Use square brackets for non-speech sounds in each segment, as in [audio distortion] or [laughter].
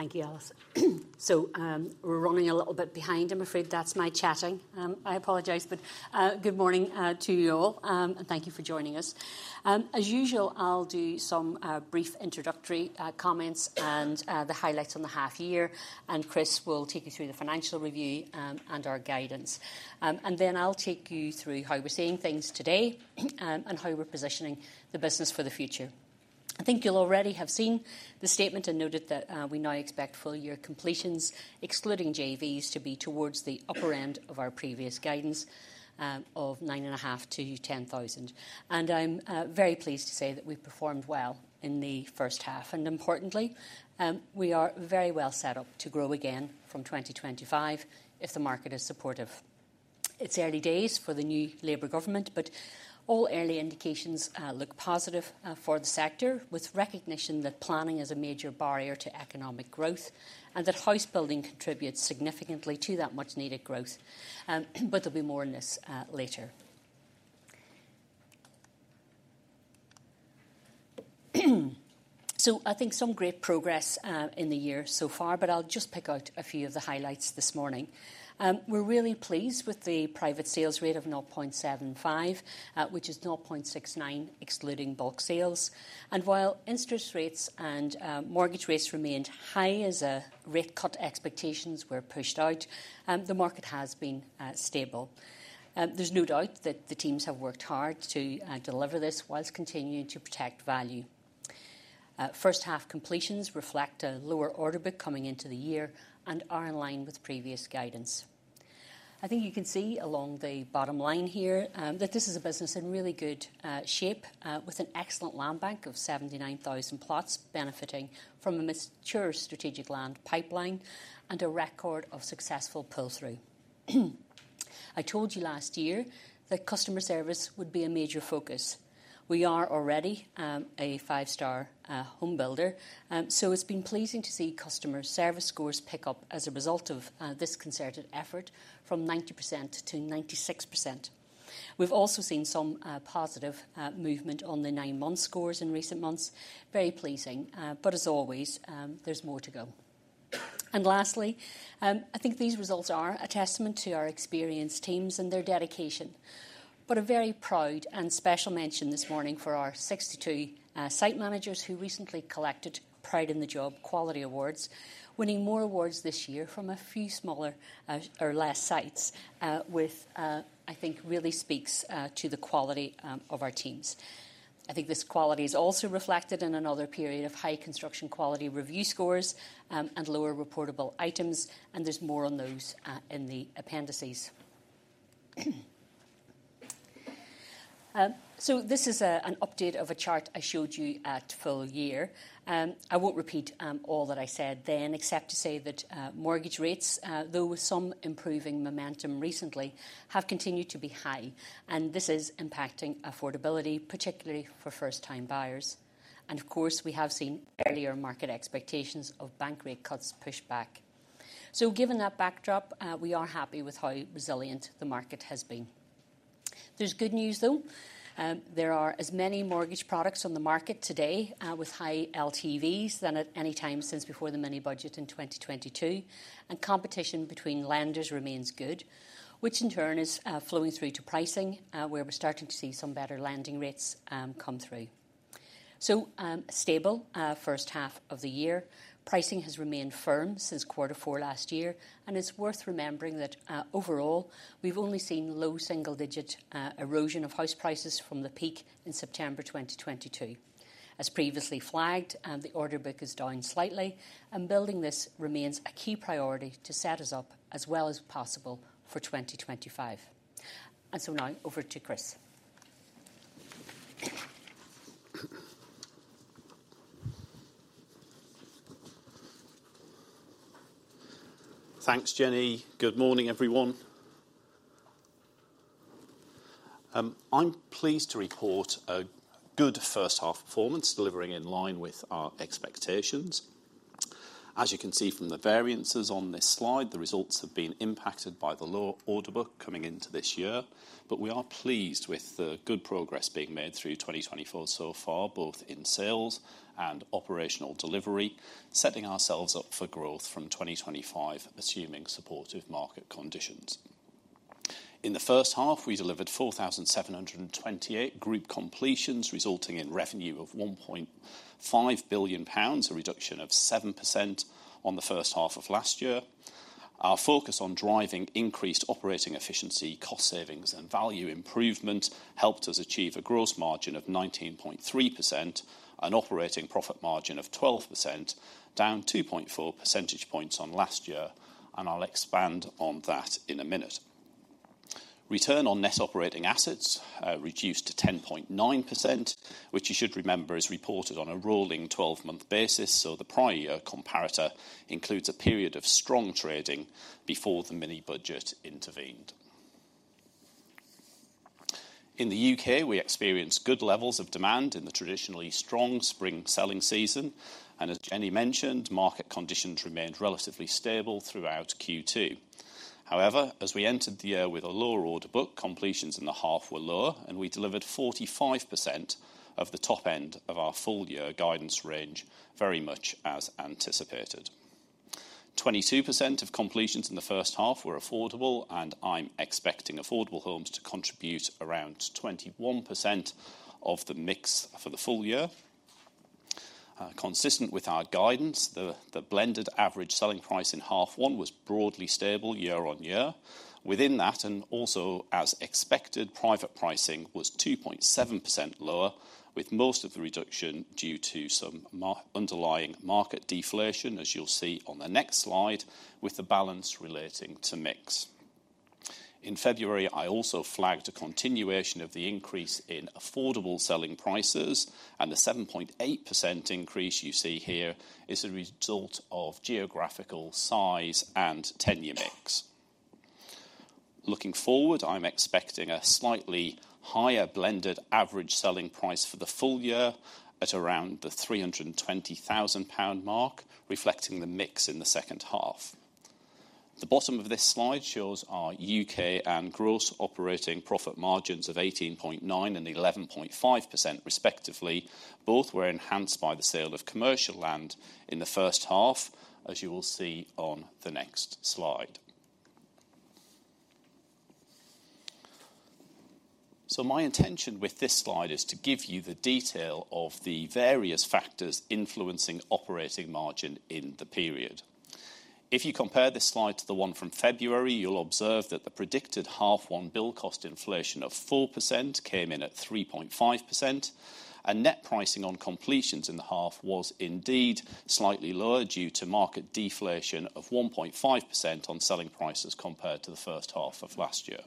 Thank you, Alice. So, we're running a little bit behind. I'm afraid that's my chatting. I apologize, but good morning to you all, and thank you for joining us. As usual, I'll do some brief introductory comments and the highlights on the half year, and Chris will take you through the financial review, and our guidance. And then I'll take you through how we're seeing things today, and how we're positioning the business for the future. I think you'll already have seen the statement and noted that we now expect full year completions, excluding JVs, to be towards the upper end of our previous guidance of 9.5-10,000. And I'm very pleased to say that we've performed well in the first half. Importantly, we are very well set up to grow again from 2025 if the market is supportive. It's early days for the new Labour government, but all early indications look positive for the sector, with recognition that planning is a major barrier to economic growth, and that house building contributes significantly to that much needed growth. But there'll be more on this later. So I think some great progress in the year so far, but I'll just pick out a few of the highlights this morning. We're really pleased with the private sales rate of 0.75, which is 0.69, excluding bulk sales. And while interest rates and mortgage rates remained high as rate cut expectations were pushed out, the market has been stable. There's no doubt that the teams have worked hard to, deliver this whilst continuing to protect value. First half completions reflect a lower order book coming into the year and are in line with previous guidance. I think you can see along the bottom line here, that this is a business in really good, shape, with an excellent land bank of 79,000 plots, benefiting from a mature strategic land pipeline and a record of successful pull-through. I told you last year that customer service would be a major focus. We are already, a five-star home builder. So it's been pleasing to see customer service scores pick up as a result of, this concerted effort from 90% to 96%. We've also seen some, positive, movement on the nine-month scores in recent months. Very pleasing, but as always, there's more to go. And lastly, I think these results are a testament to our experienced teams and their dedication, but a very proud and special mention this morning for our 62 site managers who recently collected Pride in the Job quality awards, winning more awards this year from a few smaller, or less sites, with, I think really speaks, to the quality of our teams. I think this quality is also reflected in another period of high construction quality review scores, and lower reportable items, and there's more on those, in the appendices. So this is an update of a chart I showed you at full year. I won't repeat all that I said then, except to say that mortgage rates, though with some improving momentum recently, have continued to be high, and this is impacting affordability, particularly for first-time buyers. And of course, we have seen earlier market expectations of bank rate cuts pushed back. So given that backdrop, we are happy with how resilient the market has been. There's good news, though. There are as many mortgage products on the market today with high LTVs than at any time since before the Mini Budget in 2022, and competition between lenders remains good, which in turn is flowing through to pricing where we're starting to see some better lending rates come through. So a stable first half of the year. Pricing has remained firm since quarter four last year, and it's worth remembering that, overall, we've only seen low single-digit erosion of house prices from the peak in September 2022. As previously flagged, the order book is down slightly, and building this remains a key priority to set us up as well as possible for 2025. And so now, over to Chris. Thanks, Jennie. Good morning, everyone. I'm pleased to report a good first half performance, delivering in line with our expectations. As you can see from the variances on this slide, the results have been impacted by the lower order book coming into this year, but we are pleased with the good progress being made through 2024 so far, both in sales and operational delivery, setting ourselves up for growth from 2025, assuming supportive market conditions. In the first half, we delivered 4,728 group completions, resulting in revenue of GBP 1.5 billion, a reduction of 7% on the first half of last year. Our focus on driving increased operating efficiency, cost savings, and value improvement helped us achieve a gross margin of 19.3% and operating profit margin of 12%, down 2.4 percentage points on last year, and I'll expand on that in a minute. Return on net operating assets reduced to 10.9%, which you should remember is reported on a rolling 12-month basis, so the prior year comparator includes a period of strong trading before the Mini Budget intervened. In the U.K., we experienced good levels of demand in the traditionally strong spring selling season, and as Jennie mentioned, market conditions remained relatively stable throughout Q2. However, as we entered the year with a lower order book, completions in the half were lower, and we delivered 45% of the top end of our full year guidance range, very much as anticipated. 22% of completions in the first half were affordable, and I'm expecting affordable homes to contribute around 21% of the mix for the full year. Consistent with our guidance, the blended average selling price in half one was broadly stable year-on-year. Within that, and also as expected, private pricing was 2.7% lower, with most of the reduction due to some underlying market deflation, as you'll see on the next slide, with the balance relating to mix. In February, I also flagged a continuation of the increase in affordable selling prices, and the 7.8% increase you see here is a result of geographical size and tenure mix. Looking forward, I'm expecting a slightly higher blended average selling price for the full year at around the 320,000 pound mark, reflecting the mix in the second half. The bottom of this slide shows our U.K. and gross operating profit margins of 18.9% and 11.5%, respectively. Both were enhanced by the sale of commercial land in the first half, as you will see on the next slide. So my intention with this slide is to give you the detail of the various factors influencing operating margin in the period. If you compare this slide to the one from February, you'll observe that the predicted H1 build cost inflation of 4% came in at 3.5%, and net pricing on completions in the half was indeed slightly lower due to market deflation of 1.5% on selling prices compared to the first half of last year.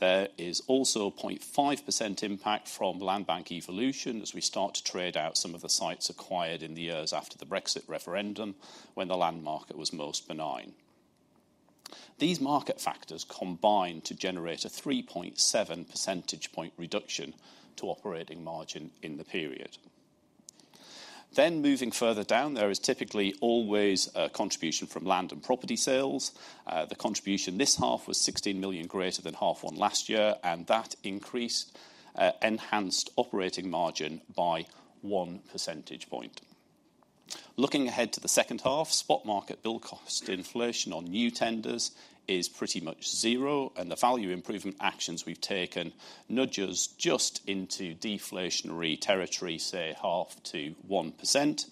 There is also a 0.5% impact from landbank evolution as we start to trade out some of the sites acquired in the years after the Brexit referendum, when the land market was most benign. These market factors combine to generate a 3.7 percentage point reduction to operating margin in the period. Moving further down, there is typically always a contribution from land and property sales. The contribution this half was 16 million greater than half one last year, and that increase enhanced operating margin by one percentage point. Looking ahead to the second half, spot market bill cost inflation on new tenders is pretty much 0, and the value improvement actions we've taken nudge us just into deflationary territory, say 0.5%-1%.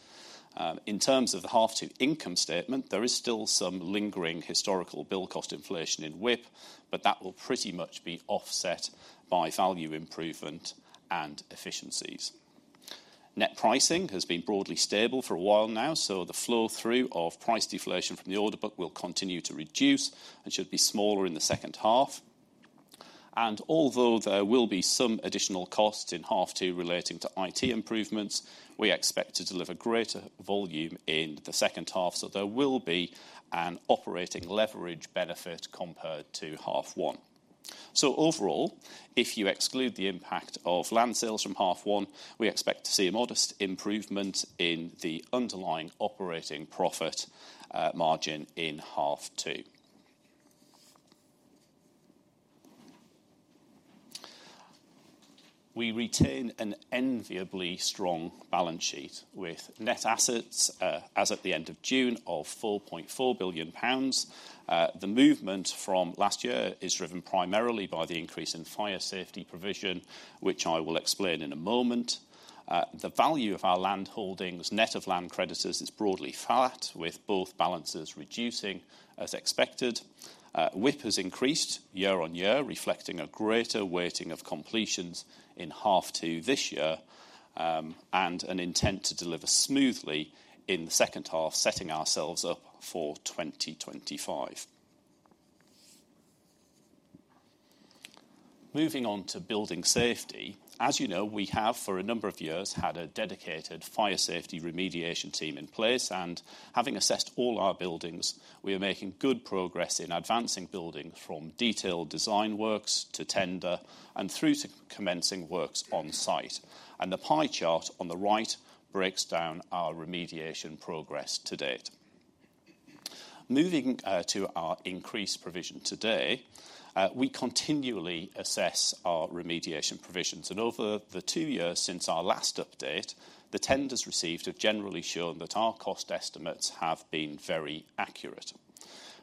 In terms of the half two income statement, there is still some lingering historical bill cost inflation in WIP, but that will pretty much be offset by value improvement and efficiencies. Net pricing has been broadly stable for a while now, so the flow through of price deflation from the order book will continue to reduce and should be smaller in the second half. Although there will be some additional costs in half two relating to IT improvements, we expect to deliver greater volume in the second half, so there will be an operating leverage benefit compared to half one. Overall, if you exclude the impact of land sales from half one, we expect to see a modest improvement in the underlying operating profit margin in half two. We retain an enviably strong balance sheet with net assets, as at the end of June, of 4.4 billion pounds. The movement from last year is driven primarily by the increase in fire safety provision, which I will explain in a moment. The value of our land holdings, net of land creditors, is broadly flat, with both balances reducing as expected. WIP has increased year-on-year, reflecting a greater weighting of completions in half two this year, and an intent to deliver smoothly in the second half, setting ourselves up for 2025. Moving on to building safety. As you know, we have, for a number of years, had a dedicated fire safety remediation team in place, and having assessed all our buildings, we are making good progress in advancing building from detailed design works to tender and through to commencing works on site. The pie chart on the right breaks down our remediation progress to date. Moving to our increased provision today, we continually assess our remediation provisions, and over the two years since our last update, the tenders received have generally shown that our cost estimates have been very accurate.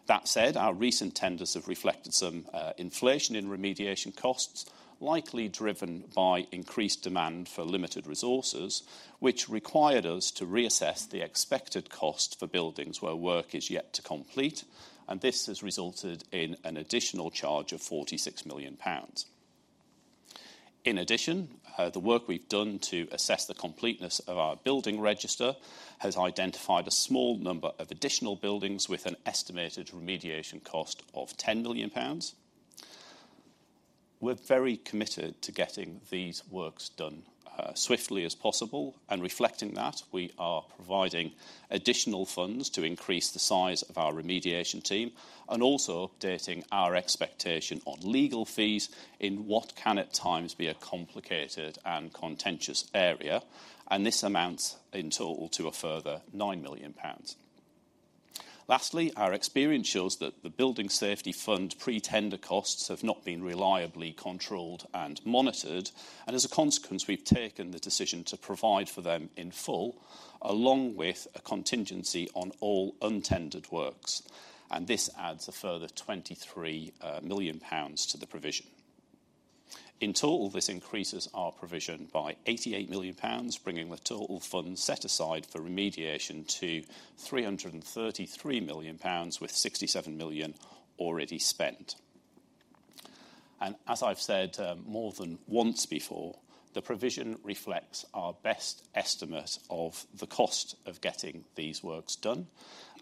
That said, our recent tenders have reflected some inflation in remediation costs, likely driven by increased demand for limited resources, which required us to reassess the expected cost for buildings where work is yet to complete, and this has resulted in an additional charge of 46 million pounds. In addition, the work we've done to assess the completeness of our building register has identified a small number of additional buildings with an estimated remediation cost of 10 million pounds. We're very committed to getting these works done, swiftly as possible, and reflecting that, we are providing additional funds to increase the size of our remediation team and also updating our expectation on legal fees in what can at times be a complicated and contentious area, and this amounts in total to a further 9 million pounds. Lastly, our experience shows that the Building Safety Fund pre-tender costs have not been reliably controlled and monitored, and as a consequence, we've taken the decision to provide for them in full, along with a contingency on all untendered works, and this adds a further 23 million pounds to the provision. In total, this increases our provision by 88 million pounds, bringing the total funds set aside for remediation to 333 million pounds, with 67 million pounds already spent. And as I've said, more than once before, the provision reflects our best estimate of the cost of getting these works done.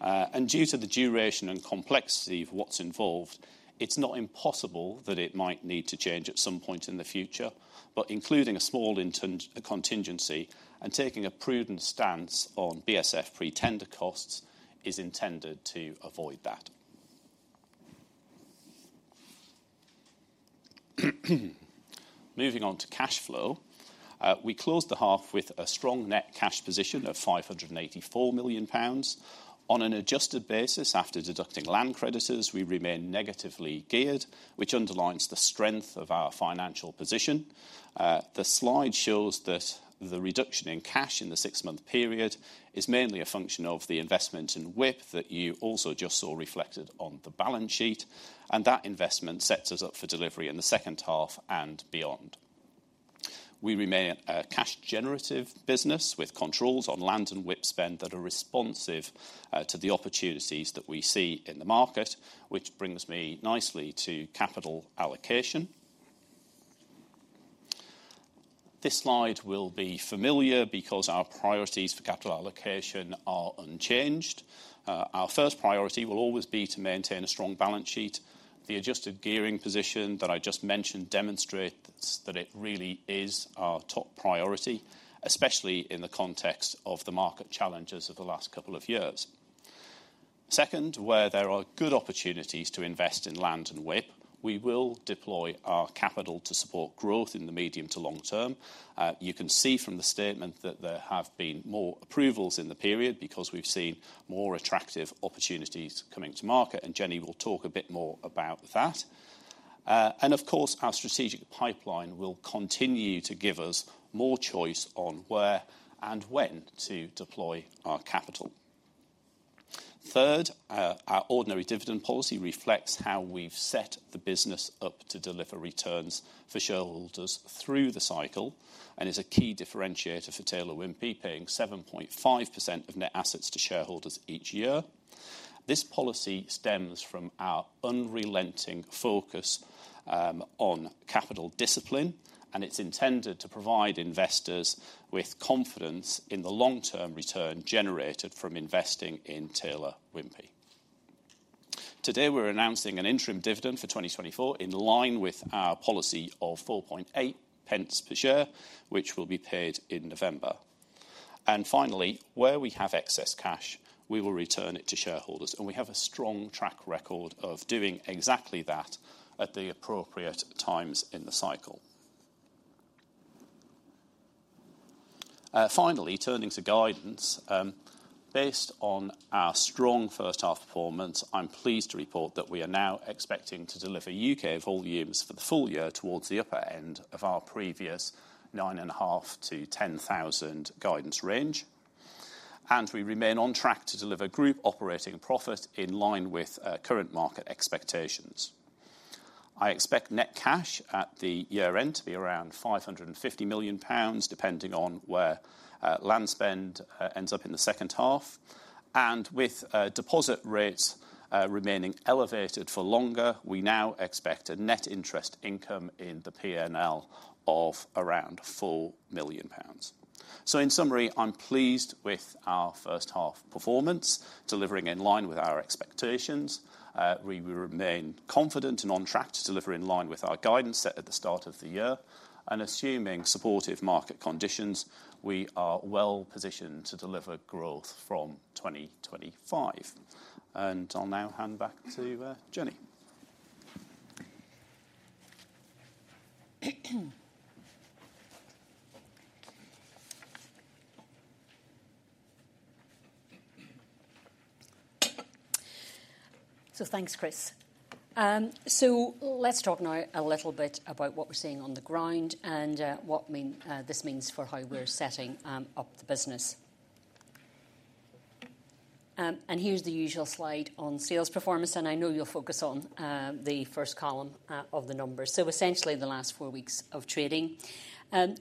And due to the duration and complexity of what's involved, it's not impossible that it might need to change at some point in the future. But including a small intended contingency and taking a prudent stance on BSF pre-tender costs is intended to avoid that. Moving on to cash flow. We closed the half with a strong net cash position of 584 million pounds. On an adjusted basis, after deducting land creditors, we remain negatively geared, which underlines the strength of our financial position. The slide shows that the reduction in cash in the six-month period is mainly a function of the investment in WIP that you also just saw reflected on the balance sheet, and that investment sets us up for delivery in the second half and beyond. We remain a cash-generative business, with controls on land and WIP spend that are responsive to the opportunities that we see in the market, which brings me nicely to capital allocation. This slide will be familiar because our priorities for capital allocation are unchanged. Our first priority will always be to maintain a strong balance sheet. The adjusted gearing position that I just mentioned demonstrates that it really is our top priority, especially in the context of the market challenges of the last couple of years. Second, where there are good opportunities to invest in land and WIP, we will deploy our capital to support growth in the medium to long term. You can see from the statement that there have been more approvals in the period, because we've seen more attractive opportunities coming to market, and Jennie will talk a bit more about that. And of course, our strategic pipeline will continue to give us more choice on where and when to deploy our capital. Third, our ordinary dividend policy reflects how we've set the business up to deliver returns for shareholders through the cycle and is a key differentiator for Taylor Wimpey, paying 7.5% of net assets to shareholders each year. This policy stems from our unrelenting focus on capital discipline, and it's intended to provide investors with confidence in the long-term return generated from investing in Taylor Wimpey. Today, we're announcing an interim dividend for 2024, in line with our policy of 4.8 pence per share, which will be paid in November. And finally, where we have excess cash, we will return it to shareholders, and we have a strong track record of doing exactly that at the appropriate times in the cycle. Finally, turning to guidance. Based on our strong first half performance, I'm pleased to report that we are now expecting to deliver U.K. volumes for the full year towards the upper end of our previous 9.5-10,000 guidance range. And we remain on track to deliver group operating profit in line with current market expectations. I expect net cash at the year-end to be around 550 million pounds, depending on where land spend ends up in the second half. And with deposit rates remaining elevated for longer, we now expect a net interest income in the PNL of around 4 million pounds. So in summary, I'm pleased with our first half performance, delivering in line with our expectations. We will remain confident and on track to deliver in line with our guidance set at the start of the year, and assuming supportive market conditions, we are well positioned to deliver growth from 2025. I'll now hand back to Jennie. Thanks, Chris. So let's talk now a little bit about what we're seeing on the ground and what this means for how we're setting up the business. And here's the usual slide on sales performance, and I know you'll focus on the first column of the numbers, so essentially the last four weeks of trading.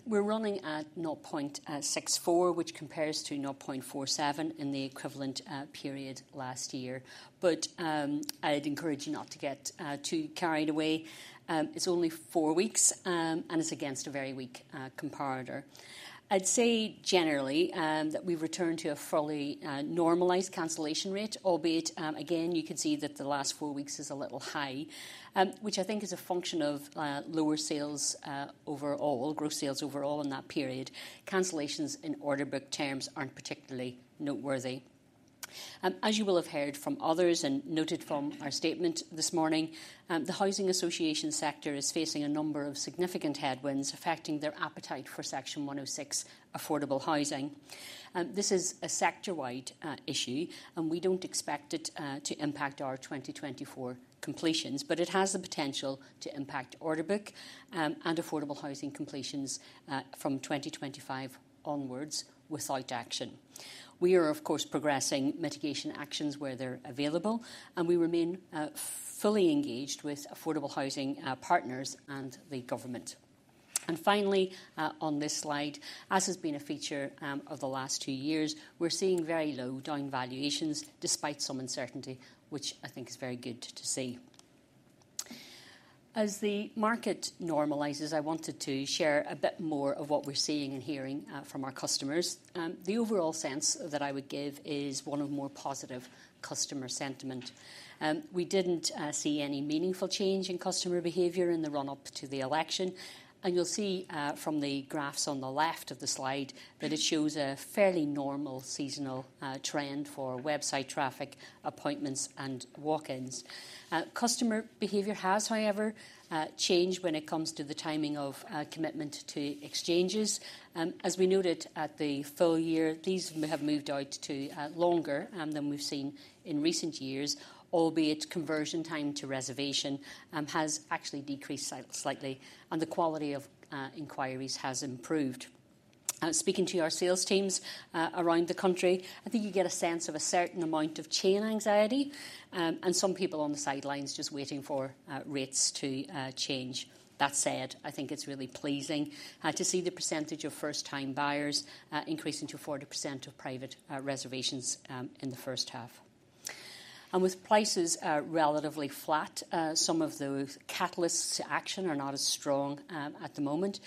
We're running at 0.64, which compares to 0.47 in the equivalent period last year. But I'd encourage you not to get too carried away. It's only four weeks, and it's against a very weak comparator. I'd say generally that we've returned to a fully normalized cancellation rate, albeit again, you can see that the last four weeks is a little high, which I think is a function of lower sales overall, gross sales overall in that period. Cancellations in order book terms aren't particularly noteworthy. As you will have heard from others and noted from our statement this morning, the housing association sector is facing a number of significant headwinds affecting their appetite for Section 106 affordable housing. This is a sector-wide issue, and we don't expect it to impact our 2024 completions, but it has the potential to impact order book and affordable housing completions from 2025 onwards without action. We are, of course, progressing mitigation actions where they're available, and we remain fully engaged with affordable housing partners and the government. And finally on this slide, as has been a feature of the last two years, we're seeing very low down valuations despite some uncertainty, which I think is very good to see. As the market normalizes, I wanted to share a bit more of what we're seeing and hearing from our customers. The overall sense that I would give is one of more positive customer sentiment. We didn't see any meaningful change in customer behavior in the run-up to the election, and you'll see from the graphs on the left of the slide that it shows a fairly normal seasonal trend for website traffic, appointments, and walk-ins. Customer behavior has, however, changed when it comes to the timing of commitment to exchanges. As we noted at the full year, these have moved out to longer than we've seen in recent years, albeit conversion time to reservation has actually decreased slightly, and the quality of inquiries has improved. Speaking to our sales teams around the country, I think you get a sense of a certain amount of chain anxiety, and some people on the sidelines just waiting for rates to change. That said, I think it's really pleasing to see the percentage of first-time buyers increasing to 40% of private reservations in the first half. With prices relatively flat, some of those catalysts to action are not as strong at the moment.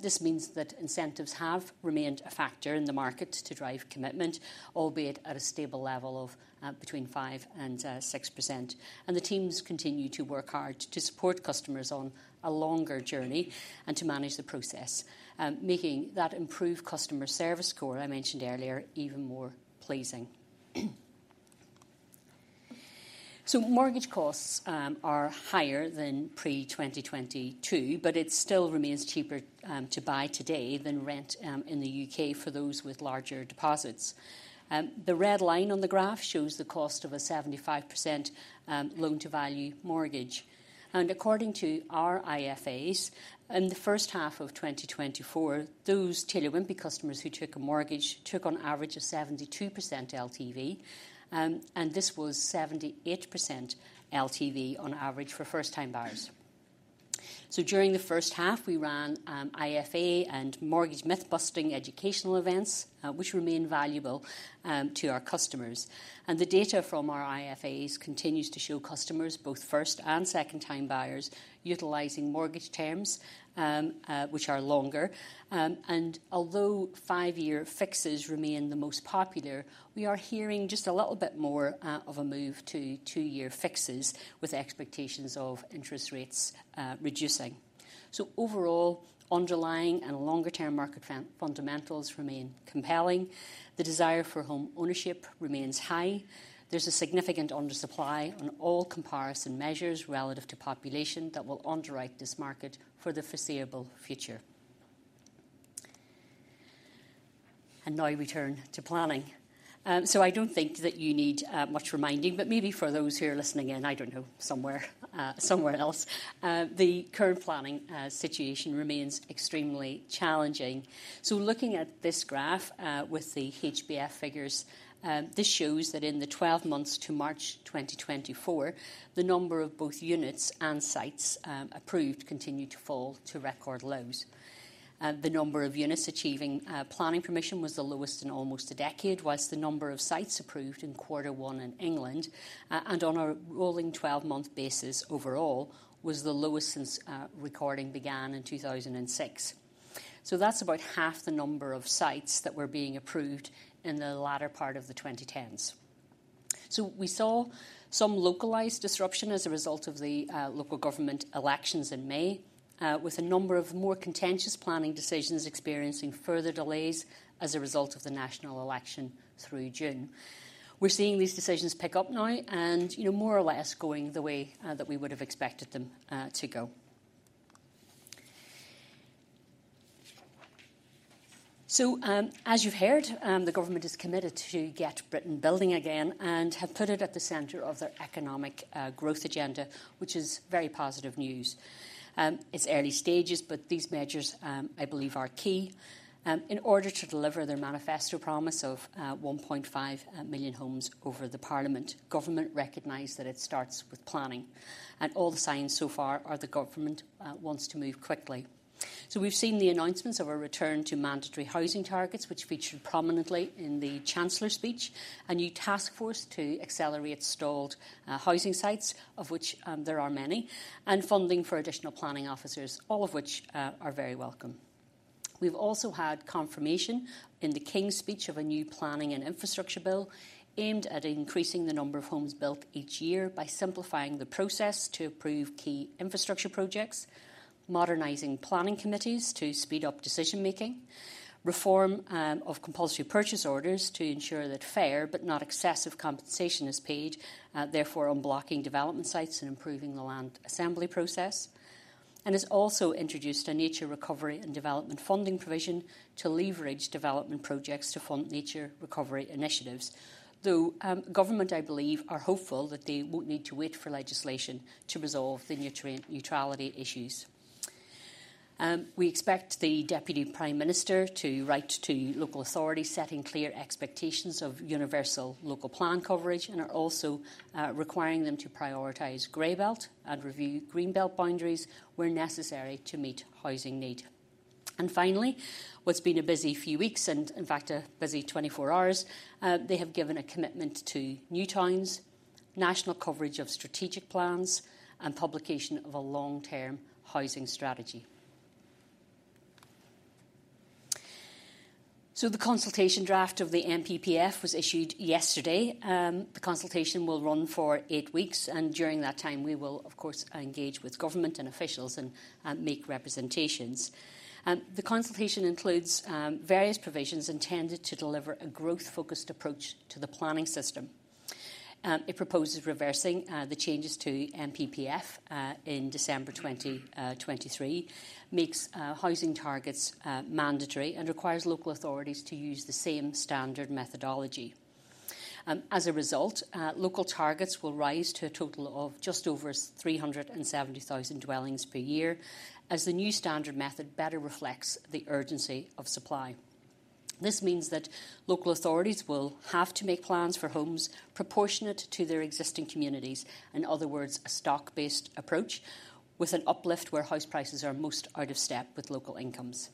This means that incentives have remained a factor in the market to drive commitment, albeit at a stable level of between 5%-6%. The teams continue to work hard to support customers on a longer journey and to manage the process, making that improved customer service score I mentioned earlier even more pleasing. Mortgage costs are higher than pre-2022, but it still remains cheaper to buy today than rent in the U.K. for those with larger deposits. The red line on the graph shows the cost of a 75% loan-to-value mortgage. According to our IFAs, in the first half of 2024, those Taylor Wimpey customers who took a mortgage took on average a 72% LTV, and this was 78% LTV on average for first-time buyers. So during the first half, we ran IFA and mortgage myth-busting educational events, which remain valuable to our customers. And the data from our IFAs continues to show customers, both first- and second-time buyers, utilizing mortgage terms, which are longer. And although five-year fixes remain the most popular, we are hearing just a little bit more of a move to two-year fixes, with expectations of interest rates reducing. So overall, underlying and longer-term market fundamentals remain compelling. The desire for home ownership remains high. There's a significant undersupply on all comparison measures relative to population that will underwrite this market for the foreseeable future. And now we turn to planning. So I don't think that you need, much reminding, but maybe for those who are listening in, I don't know, somewhere, somewhere else, the current planning situation remains extremely challenging. So looking at this graph, with the HBF figures, this shows that in the 12 months to March 2024, the number of both units and sites, approved continued to fall to record lows. The number of units achieving, planning permission was the lowest in almost a decade, while the number of sites approved in quarter one in England, and on a rolling 12-month basis overall, was the lowest since, recording began in 2006. So that's about half the number of sites that were being approved in the latter part of the 2010's. So we saw some localized disruption as a result of the local government elections in May, with a number of more contentious planning decisions experiencing further delays as a result of the national election through June. We're seeing these decisions pick up now and, you know, more or less going the way that we would have expected them to go. So, as you've heard, the government is committed to get Britain building again and have put it at the center of their economic growth agenda, which is very positive news. It's early stages, but these measures, I believe, are key. In order to deliver their manifesto promise of 1.5 million homes over the Parliament, government recognize that it starts with planning, and all the signs so far are the government wants to move quickly. So we've seen the announcements of a return to mandatory housing targets, which featured prominently in the Chancellor's speech, a new task force to accelerate stalled housing sites, of which there are many, and funding for additional planning officers, all of which are very welcome. We've also had confirmation in the King's Speech of a new Planning and Infrastructure Bill aimed at increasing the number of homes built each year by simplifying the process to approve key infrastructure projects, modernizing planning committees to speed up decision-making, reform of compulsory purchase orders to ensure that fair but not excessive compensation is paid, therefore, unblocking development sites and improving the land assembly process. And has also introduced a nature recovery and development funding provision to leverage development projects to fund nature recovery initiatives. Though, government, I believe, are hopeful that they won't need to wait for legislation to resolve the nutrient neutrality issues. We expect the Deputy Prime Minister to write to local authorities, setting clear expectations of universal Local Plan coverage, and are also requiring them to prioritize Grey Belt and review Green Belt boundaries where necessary to meet housing need. And finally, what's been a busy few weeks, and in fact, a busy 24 hours, they have given a commitment to New Towns, national coverage of strategic plans, and publication of a long-term housing strategy. So the consultation draft of the NPPF was issued yesterday. The consultation will run for 8 weeks, and during that time, we will, of course, engage with government and officials and make representations. The consultation includes various provisions intended to deliver a growth-focused approach to the planning system. It proposes reversing the changes to NPPF in December 2023. Makes housing targets mandatory and requires local authorities to use the same standard methodology. As a result, local targets will rise to a total of just over 370,000 dwellings per year, as the new standard method better reflects the urgency of supply. This means that local authorities will have to make plans for homes proportionate to their existing communities. In other words, a stock-based approach with an uplift where house prices are most out of step with local incomes.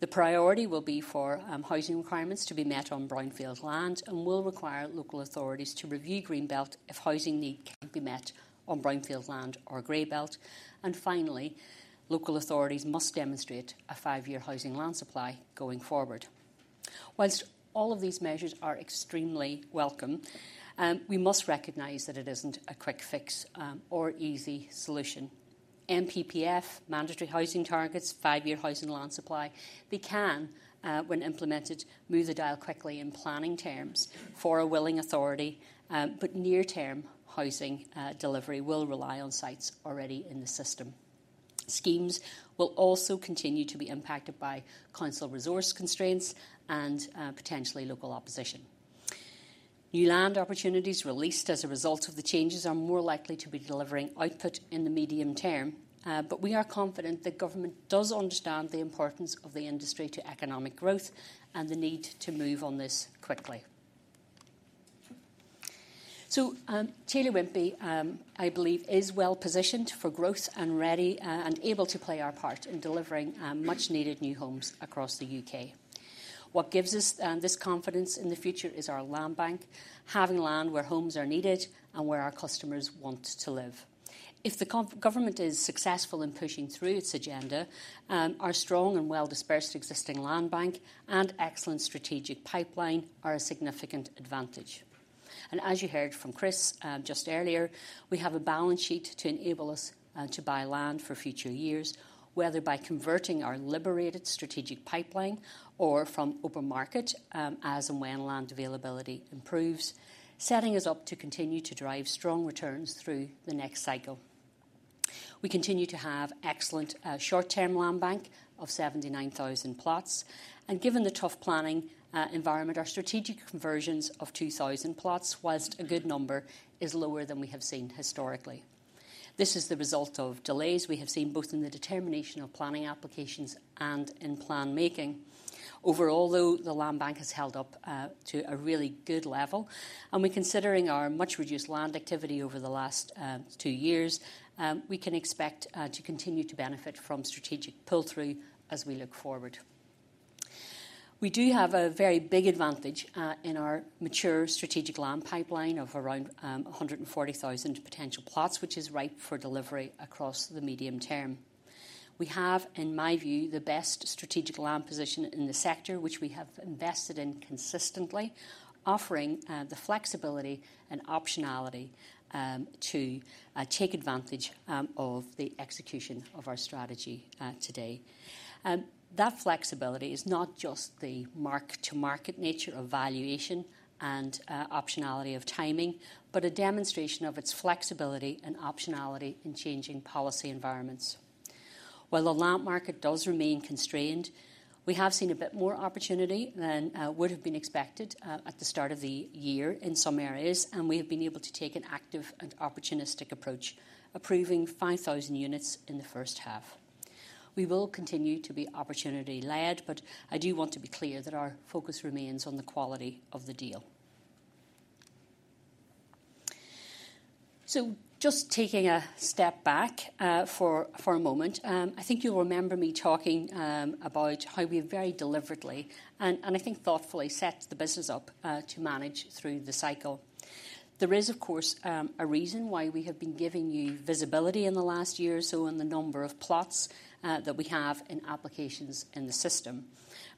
The priority will be for housing requirements to be met on brownfield land and will require local authorities to review Green Belt if housing need can't be met on brownfield land or Grey Belt. Finally, local authorities must demonstrate a five-year housing land supply going forward. While all of these measures are extremely welcome, we must recognize that it isn't a quick fix, or easy solution. NPPF, mandatory housing targets, five-year housing land supply, they can, when implemented, move the dial quickly in planning terms for a willing authority, but near-term housing delivery will rely on sites already in the system. Schemes will also continue to be impacted by council resource constraints and potentially local opposition. New land opportunities released as a result of the changes are more likely to be delivering output in the medium term, but we are confident that government does understand the importance of the industry to economic growth and the need to move on this quickly. So, Taylor Wimpey, I believe, is well positioned for growth and ready, and able to play our part in delivering, much-needed new homes across the U.K. What gives us, this confidence in the future is our land bank, having land where homes are needed and where our customers want to live. If the government is successful in pushing through its agenda, our strong and well-dispersed existing land bank and excellent strategic pipeline are a significant advantage. And as you heard from Chris, just earlier, we have a balance sheet to enable us, to buy land for future years, whether by converting our liberated strategic pipeline or from open market, as and when land availability improves, setting us up to continue to drive strong returns through the next cycle. We continue to have excellent short-term land bank of 79,000 plots, and given the tough planning environment, our strategic conversions of 2,000 plots, while a good number, is lower than we have seen historically. This is the result of delays we have seen both in the determination of planning applications and in plan making. Overall, though, the land bank has held up to a really good level, and we're considering our much-reduced land activity over the last two years. We can expect to continue to benefit from strategic pull-through as we look forward. We do have a very big advantage in our mature strategic land pipeline of around 140,000 potential plots, which is ripe for delivery across the medium term. We have, in my view, the best strategic land position in the sector, which we have invested in consistently, offering the flexibility and optionality to take advantage of the execution of our strategy today. That flexibility is not just the mark-to-market nature of valuation and optionality of timing, but a demonstration of its flexibility and optionality in changing policy environments. While the land market does remain constrained, we have seen a bit more opportunity than would have been expected at the start of the year in some areas, and we have been able to take an active and opportunistic approach, approving 5,000 units in the first half. We will continue to be opportunity led, but I do want to be clear that our focus remains on the quality of the deal. So just taking a step back, for a moment, I think you'll remember me talking about how we very deliberately and I think thoughtfully set the business up to manage through the cycle. There is, of course, a reason why we have been giving you visibility in the last year or so on the number of plots that we have in applications in the system.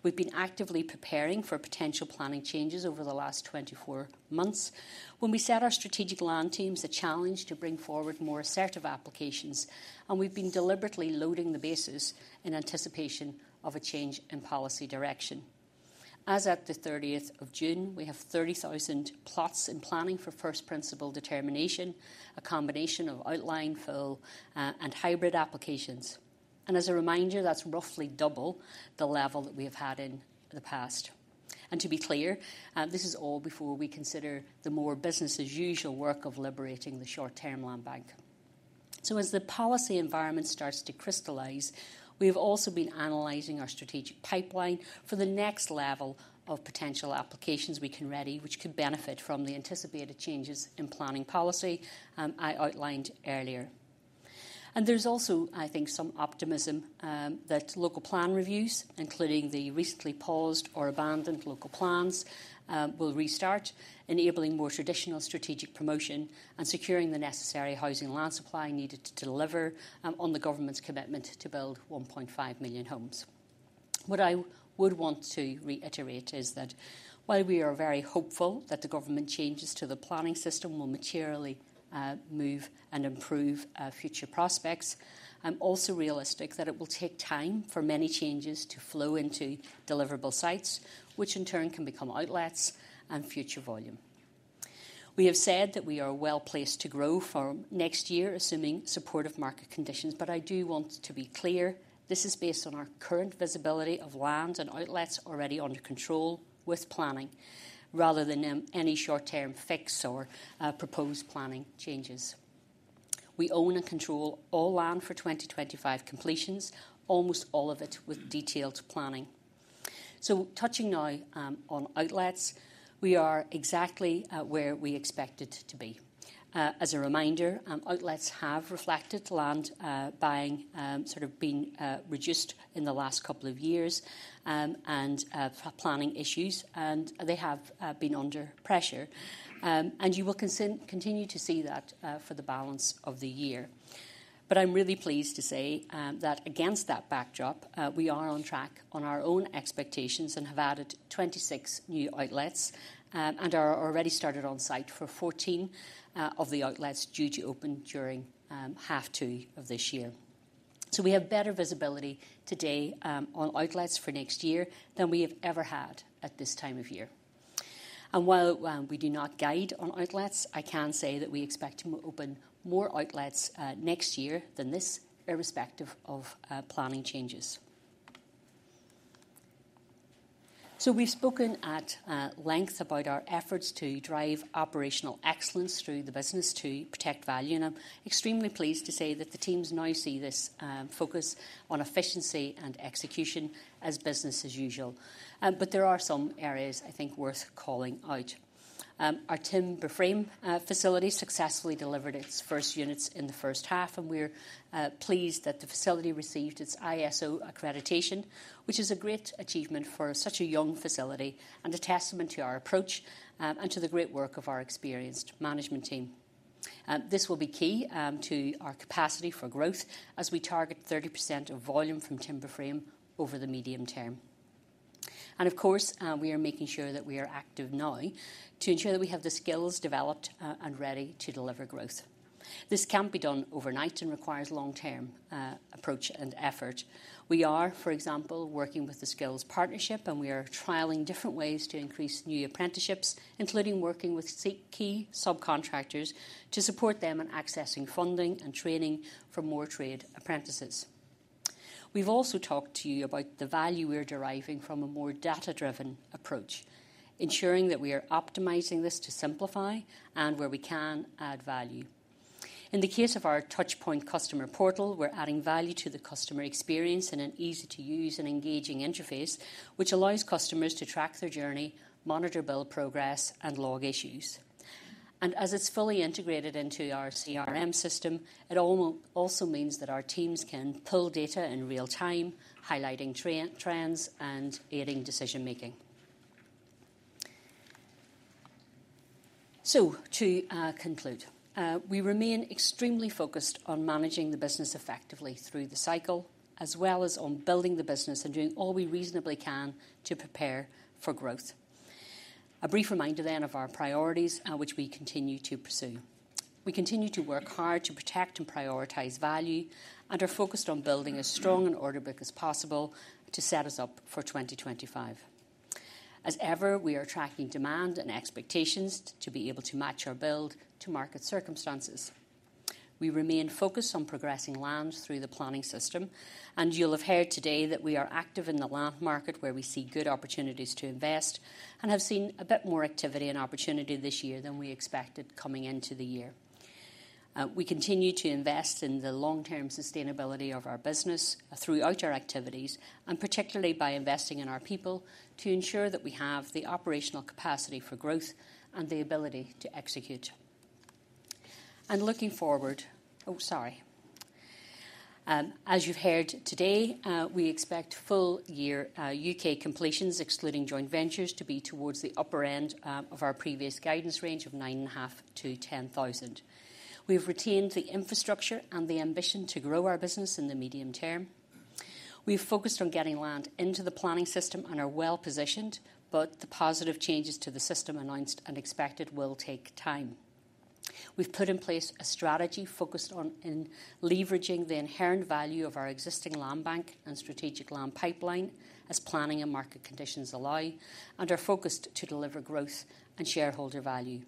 We've been actively preparing for potential planning changes over the last 24 months. When we set our strategic land teams a challenge to bring forward more assertive applications, and we've been deliberately loading the bases in anticipation of a change in policy direction. As at the 30th of June, we have 30,000 plots in planning for first principle determination, a combination of outline, full, and hybrid applications. As a reminder, that's roughly double the level that we have had in the past. To be clear, this is all before we consider the more business as usual work of liberating the short-term land bank. As the policy environment starts to crystallize, we have also been analyzing our strategic pipeline for the next level of potential applications we can ready, which could benefit from the anticipated changes in planning policy I outlined earlier. There's also, I think, some optimism that local plan reviews, including the recently paused or abandoned local plans, will restart, enabling more traditional strategic promotion and securing the necessary housing land supply needed to deliver on the government's commitment to build 1.5 million homes. What I would want to reiterate is that while we are very hopeful that the government changes to the planning system will materially move and improve future prospects, I'm also realistic that it will take time for many changes to flow into deliverable sites, which in turn can become outlets and future volume. We have said that we are well-placed to grow for next year, assuming supportive market conditions, but I do want to be clear, this is based on our current visibility of land and outlets already under control with planning, rather than any short-term fix or proposed planning changes. We own and control all land for 2025 completions, almost all of it with detailed planning. So touching now on outlets, we are exactly at where we expected to be. As a reminder, outlets have reflected land buying sort of been reduced in the last couple of years and planning issues, and they have been under pressure. You will continue to see that for the balance of the year. But I'm really pleased to say that against that backdrop, we are on track on our own expectations and have added 26 new outlets and are already started on site for 14 of the outlets due to open during half two of this year. So we have better visibility today on outlets for next year than we have ever had at this time of year. While we do not guide on outlets, I can say that we expect to open more outlets next year than this, irrespective of planning changes. We've spoken at length about our efforts to drive operational excellence through the business to protect value, and I'm extremely pleased to say that the teams now see this focus on efficiency and execution as business as usual. But there are some areas I think worth calling out. Our Timber Frame facility successfully delivered its first units in the first half, and we're pleased that the facility received its ISO accreditation, which is a great achievement for such a young facility and a testament to our approach and to the great work of our experienced management team. This will be key to our capacity for growth as we target 30% of volume from Timber Frame over the medium term. And of course, we are making sure that we are active now to ensure that we have the skills developed and ready to deliver growth. This can't be done overnight and requires long-term approach and effort. We are, for example, working with the Skills Partnership, and we are trialing different ways to increase new apprenticeships, including working with key subcontractors to support them in accessing funding and training for more trade apprentices. We've also talked to you about the value we're deriving from a more data-driven approach, ensuring that we are optimizing this to simplify and where we can, add value. In the case of our Touchpoint customer portal, we're adding value to the customer experience in an easy-to-use and engaging interface, which allows customers to track their journey, monitor build progress, and log issues. And as it's fully integrated into our CRM system, it also means that our teams can pull data in real time, highlighting trends and aiding decision making. So, to conclude, we remain extremely focused on managing the business effectively through the cycle, as well as on building the business and doing all we reasonably can to prepare for growth. A brief reminder then of our priorities, which we continue to pursue. We continue to work hard to protect and prioritize value, and are focused on building as strong an order book as possible to set us up for 2025. As ever, we are tracking demand and expectations to be able to match our build to market circumstances. We remain focused on progressing land through the planning system, and you'll have heard today that we are active in the land market, where we see good opportunities to invest and have seen a bit more activity and opportunity this year than we expected coming into the year. We continue to invest in the long-term sustainability of our business throughout our activities, and particularly by investing in our people, to ensure that we have the operational capacity for growth and the ability to execute. And looking forward, as you've heard today, we expect full-year U.K. completions, excluding joint ventures, to be towards the upper end of our previous guidance range of 9.5-10,000. We have retained the infrastructure and the ambition to grow our business in the medium term. We've focused on getting land into the planning system and are well positioned, but the positive changes to the system announced and expected will take time. We've put in place a strategy focused on, in leveraging the inherent value of our existing land bank and strategic land pipeline as planning and market conditions allow, and are focused to deliver growth and shareholder value.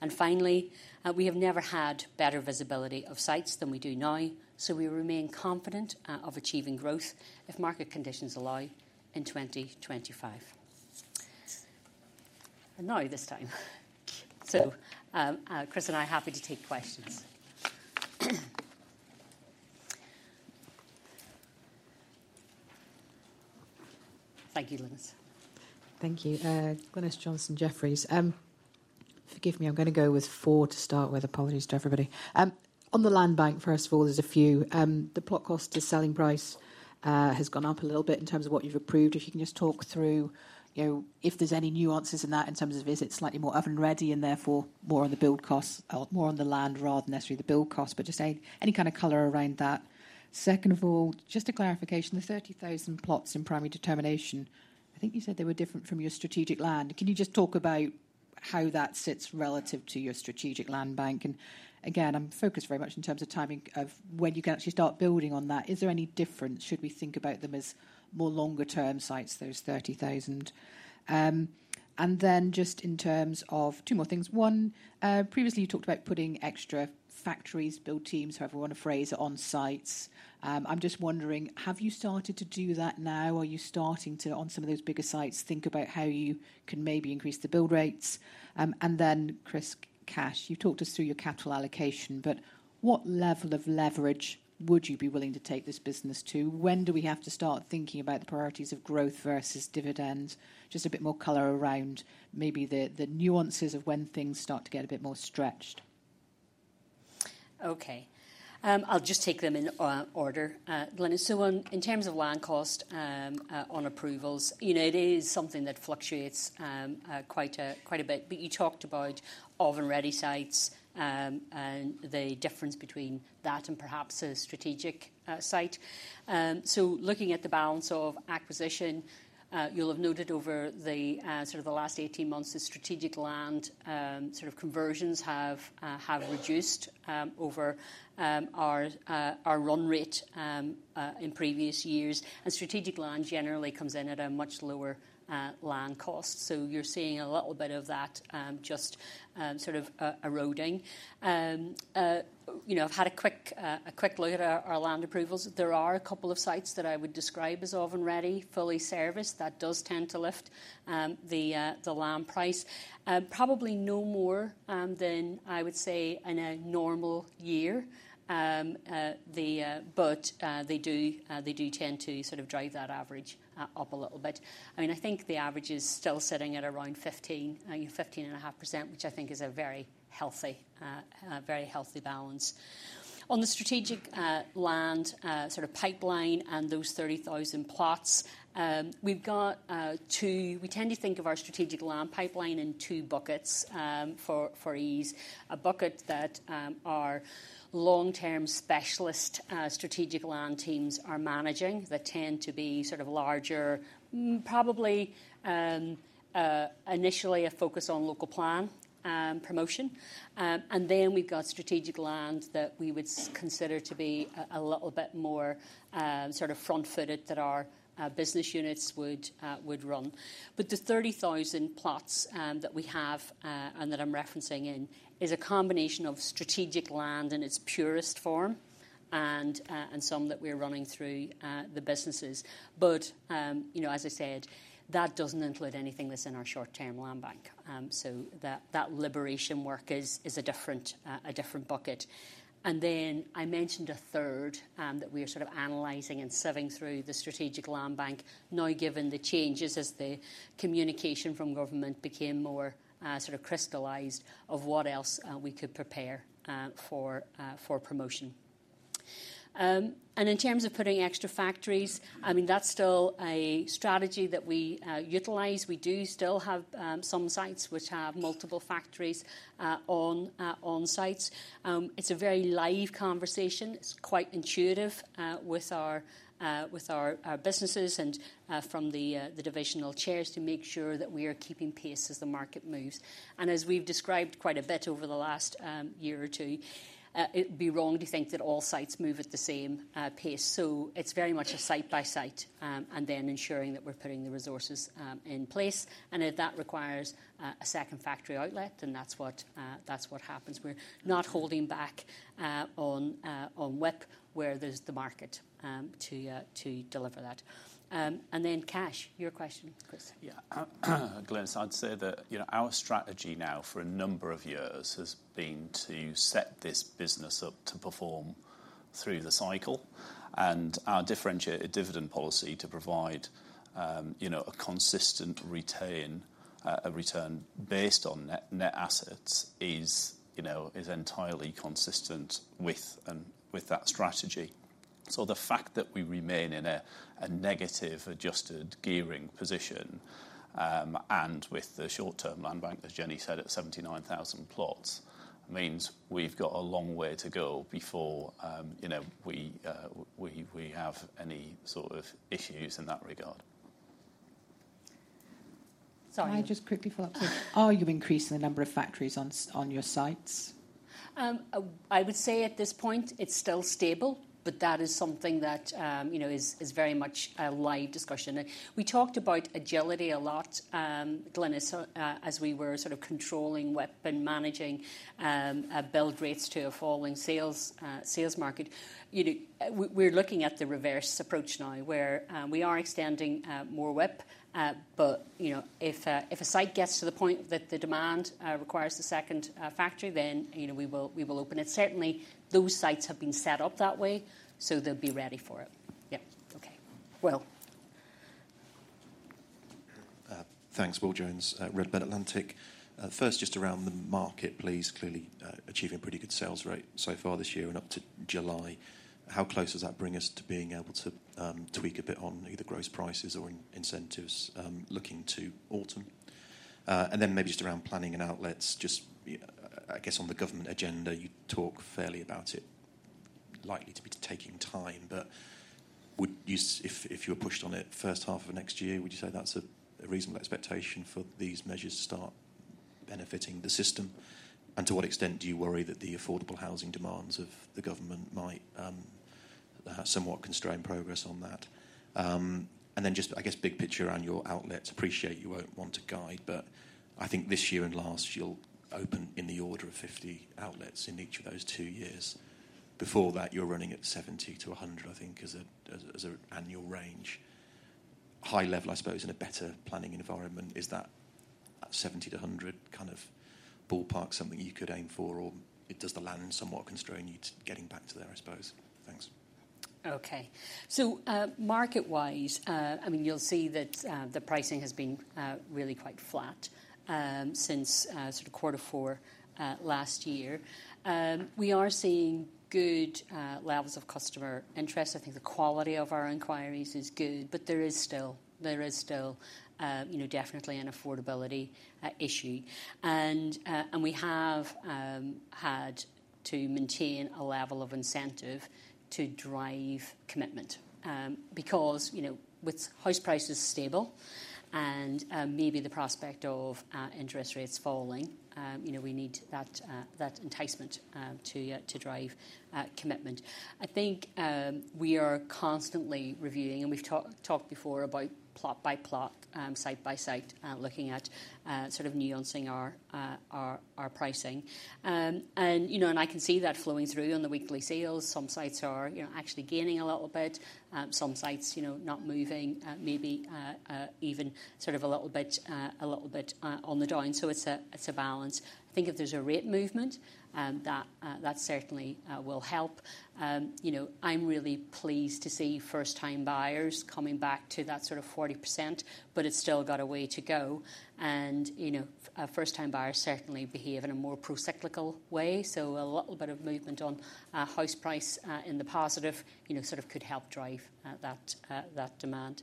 And finally, we have never had better visibility of sites than we do now, so we remain confident, of achieving growth if market conditions allow in 2025. So, Chris and I are happy to take questions. Thank you, Glynis. Thank you. Glynis Johnson, Jefferies. Forgive me, I'm gonna go with 4 to start with. Apologies to everybody. On the land bank, first of all, there's a few. The plot cost to selling price has gone up a little bit in terms of what you've approved. If you can just talk through, you know, if there's any nuances in that, in terms of, is it slightly more oven ready and therefore more on the build costs—more on the land rather than necessarily the build cost, but just any, any kind of color around that. Second of all, just a clarification, the 30,000 plots in primary determination, I think you said they were different from your strategic land. Can you just talk about how that sits relative to your strategic land bank? And again, I'm focused very much in terms of timing, of when you can actually start building on that. Is there any difference? Should we think about them as more longer term sites, those 30,000? And then just in terms of two more things. One, previously you talked about putting extra factories, build teams, however you want to phrase, on sites. I'm just wondering, have you started to do that now? Are you starting to, on some of those bigger sites, think about how you can maybe increase the build rates? And then, Chris, cash. You talked us through your capital allocation, but what level of leverage would you be willing to take this business to? When do we have to start thinking about the priorities of growth versus dividends? Just a bit more color around maybe the nuances of when things start to get a bit more stretched. Okay. I'll just take them in order, Glynis. So on, in terms of land cost, on approvals, you know, it is something that fluctuates, quite a bit. But you talked about oven-ready sites, and the difference between that and perhaps a strategic site. So looking at the balance of acquisition, you'll have noted over the, sort of the last 18 months, the strategic land, sort of conversions have reduced, over our run rate in previous years. And strategic land generally comes in at a much lower land cost. So you're seeing a little bit of that, just, sort of eroding. You know, I've had a quick look at our land approvals. There are a couple of sites that I would describe as oven ready, fully serviced. That does tend to lift the land price. Probably no more than I would say in a normal year. They do tend to sort of drive that average up a little bit. I mean, I think the average is still sitting at around 15-15.5%, which I think is a very healthy balance. On the Strategic Land sort of pipeline and those 30,000 plots, we've got two-- we tend to think of our Strategic Land pipeline in two buckets, for ease. A bucket that our long-term specialist strategic land teams are managing, that tend to be sort of larger, probably, initially a focus on Local Plan promotion. And then we've got Strategic Land that we would consider to be a little bit more sort of front-footed, that our business units would run. But the 30,000 plots that we have and that I'm referencing in is a combination of Strategic Land in its purest form and some that we're running through the businesses. But you know, as I said, that doesn't include anything that's in our short-term land bank. So that liberation work is a different bucket. Then I mentioned a third that we are sort of analyzing and sieving through the strategic land bank. Now, given the changes as the communication from government became more sort of crystallized of what else we could prepare for for promotion. In terms of putting extra factories, I mean, that's still a strategy that we utilize. We do still have some sites which have multiple factories on on sites. It's a very live conversation. It's quite intuitive with our with our our businesses and from the the divisional chairs to make sure that we are keeping pace as the market moves. And as we've described quite a bit over the last year or two it would be wrong to think that all sites move at the same pace. So it's very much a site-by-site, and then ensuring that we're putting the resources in place. And if that requires a second factory outlet, then that's what that's what happens. We're not holding back on on WIP, where there's the market to to deliver that. And then cash, your question, Chris. Yeah. Glynis, I'd say that, you know, our strategy now for a number of years has been to set this business up to perform through the cycle, and our differentiated dividend policy to provide, you know, a consistent return based on net assets is, you know, entirely consistent with that strategy. So the fact that we remain in a negative adjusted gearing position, and with the short-term land bank, as Jennie said, at 79,000 plots, means we've got a long way to go before, you know, we have any sort of issues in that regard. Sorry, can I just quickly follow up? Are you increasing the number of factories on your sites? I would say at this point, it's still stable, but that is something that, you know, is very much a live discussion. We talked about agility a lot, Glynis, as we were sort of controlling WIP and managing, build rates to a falling sales, sales market. You know, we, we're looking at the reverse approach now, where, we are extending, more WIP. But, you know, if, if a site gets to the point that the demand, requires a second, factory, then, you know, we will, we will open it. Certainly, those sites have been set up that way, so they'll be ready for it. Yep. Okay. Will? Thanks. Will Jones at Redburn Atlantic. First, just around the market, please. Clearly, achieving pretty good sales rate so far this year and up to July. How close does that bring us to being able to tweak a bit on either gross prices or incentives, looking to autumn? And then maybe just around planning and outlets, just, I guess, on the government agenda, you talk fairly about it likely to be taking time, but would you, if you were pushed on it first half of next year, would you say that's a reasonable expectation for these measures to start benefiting the system? And to what extent do you worry that the affordable housing demands of the government might somewhat constrain progress on that? And then just, I guess, big picture on your outlets. Appreciate you won't want to guide, but I think this year and last, you'll open in the order of 50 outlets in each of those two years. Before that, you were running at 70-100, I think, annual range. High level, I suppose, in a better planning environment, is that 70-100 kind of ballpark something you could aim for, or does the land somewhat constrain you to getting back to there, I suppose? Thanks. Okay. So, market-wise, I mean, you'll see that the pricing has been really quite flat since sort of quarter four last year. We are seeing good levels of customer interest. I think the quality of our inquiries is good, but there is still, you know, definitely an affordability issue. And we have had to maintain a level of incentive to drive commitment because, you know, with house prices stable and maybe the prospect of interest rates falling, you know, we need that enticement to drive commitment. I think we are constantly reviewing, and we've talked before about plot by plot, site by site, looking at sort of nuancing our pricing. And you know, and I can see that flowing through on the weekly sales. Some sites are, you know, actually gaining a little bit, some sites, you know, not moving, maybe, even sort of a little bit, a little bit, on the down. So it's a balance. I think if there's a rate movement, that that certainly will help. You know, I'm really pleased to see first-time buyers coming back to that sort of 40%, but it's still got a way to go. And, you know, first-time buyers certainly behave in a more procyclical way, so a little bit of movement on, house price, in the positive, you know, sort of could help drive, that, that demand.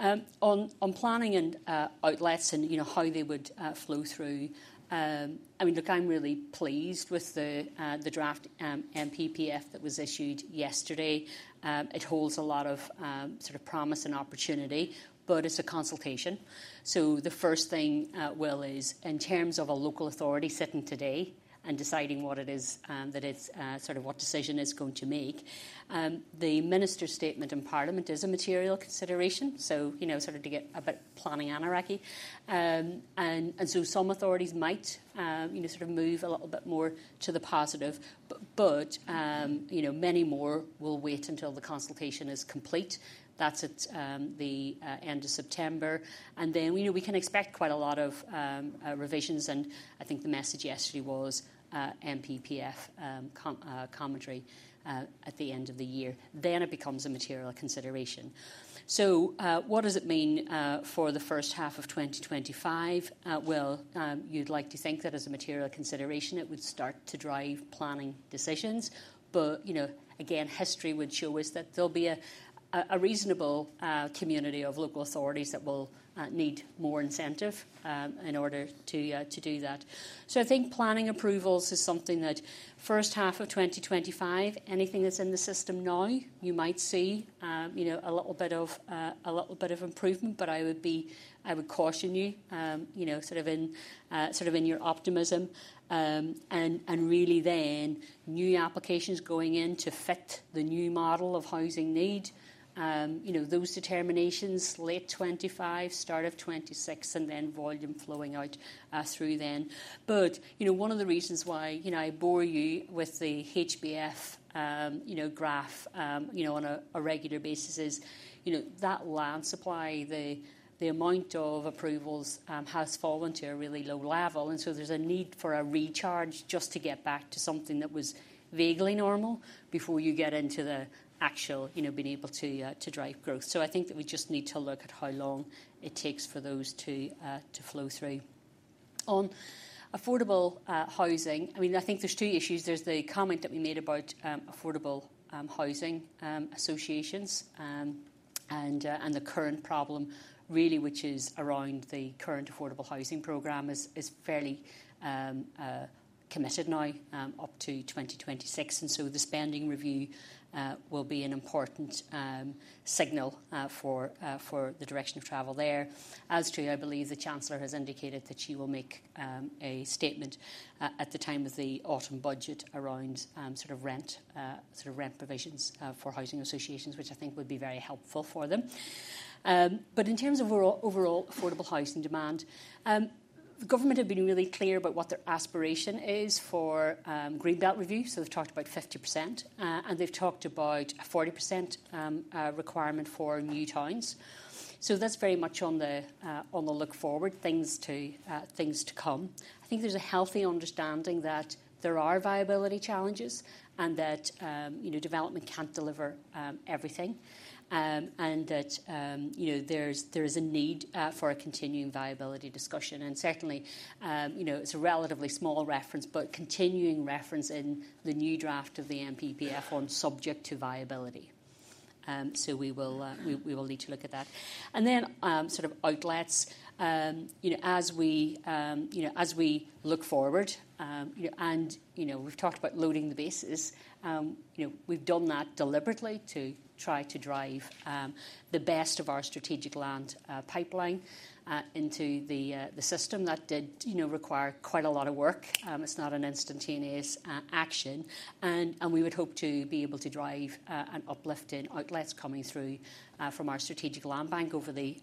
On planning and outlets and, you know, how they would flow through, I mean, look, I'm really pleased with the draft NPPF that was issued yesterday. It holds a lot of sort of promise and opportunity, but it's a consultation. So the first thing, Will, is in terms of a local authority sitting today and deciding what it is that it's sort of what decision it's going to make, the minister's statement in Parliament is a material consideration, so, you know, sort of to get a bit planning anarchy. And so some authorities might, you know, sort of move a little bit more to the positive, but you know, many more will wait until the consultation is complete. That's at the end of September. And then, you know, we can expect quite a lot of revisions, and I think the message yesterday was NPPF commentary at the end of the year. Then it becomes a material consideration. So, what does it mean for the first half of 2025? Well, you'd like to think that as a material consideration, it would start to drive planning decisions, but, you know, again, history would show us that there'll be a reasonable community of local authorities that will need more incentive in order to do that. So I think planning approvals is something that first half of 2025, anything that's in the system now, you might see, you know, a little bit of improvement, but I would caution you, you know, sort of in your optimism. And really then, new applications going in to fit the new model of housing need, you know, those determinations, late 2025, start of 2026, and then volume flowing out through then. But, you know, one of the reasons why, you know, I bore you with the HBF, you know, graph, you know, on a, a regular basis is, you know, that land supply, the, the amount of approvals, has fallen to a really low level, and so there's a need for a recharge just to get back to something that was vaguely normal before you get into the actual, you know, being able to, to drive growth. So I think that we just need to look at how long it takes for those to, to flow through. On affordable, housing, I mean, I think there's two issues. There's the comment that we made about affordable housing associations and the current problem, really, which is around the current affordable housing program is fairly committed now up to 2026, and so the Spending Review will be an important signal for the direction of travel there. As to, I believe, the Chancellor has indicated that she will make a statement at the time of the Autumn Budget around sort of rent sort of rent provisions for housing associations, which I think would be very helpful for them. But in terms of overall affordable housing demand, the government have been really clear about what their aspiration is for Green Belt review. So they've talked about 50%, and they've talked about a 40% requirement for New Towns. So that's very much on the look forward, things to come. I think there's a healthy understanding that there are viability challenges, and that, you know, development can't deliver everything. And that, you know, there is a need for a continuing viability discussion. And certainly, you know, it's a relatively small reference, but continuing reference in the new draft of the NPPF on subject to viability. So we will need to look at that. And then, sort of outlets, you know, as we look forward, you know, and, you know, we've talked about loading the bases. You know, we've done that deliberately to try to drive the best of our strategic land pipeline into the system. That did, you know, require quite a lot of work. It's not an instantaneous action, and we would hope to be able to drive an uplift in outlets coming through from our strategic land bank over the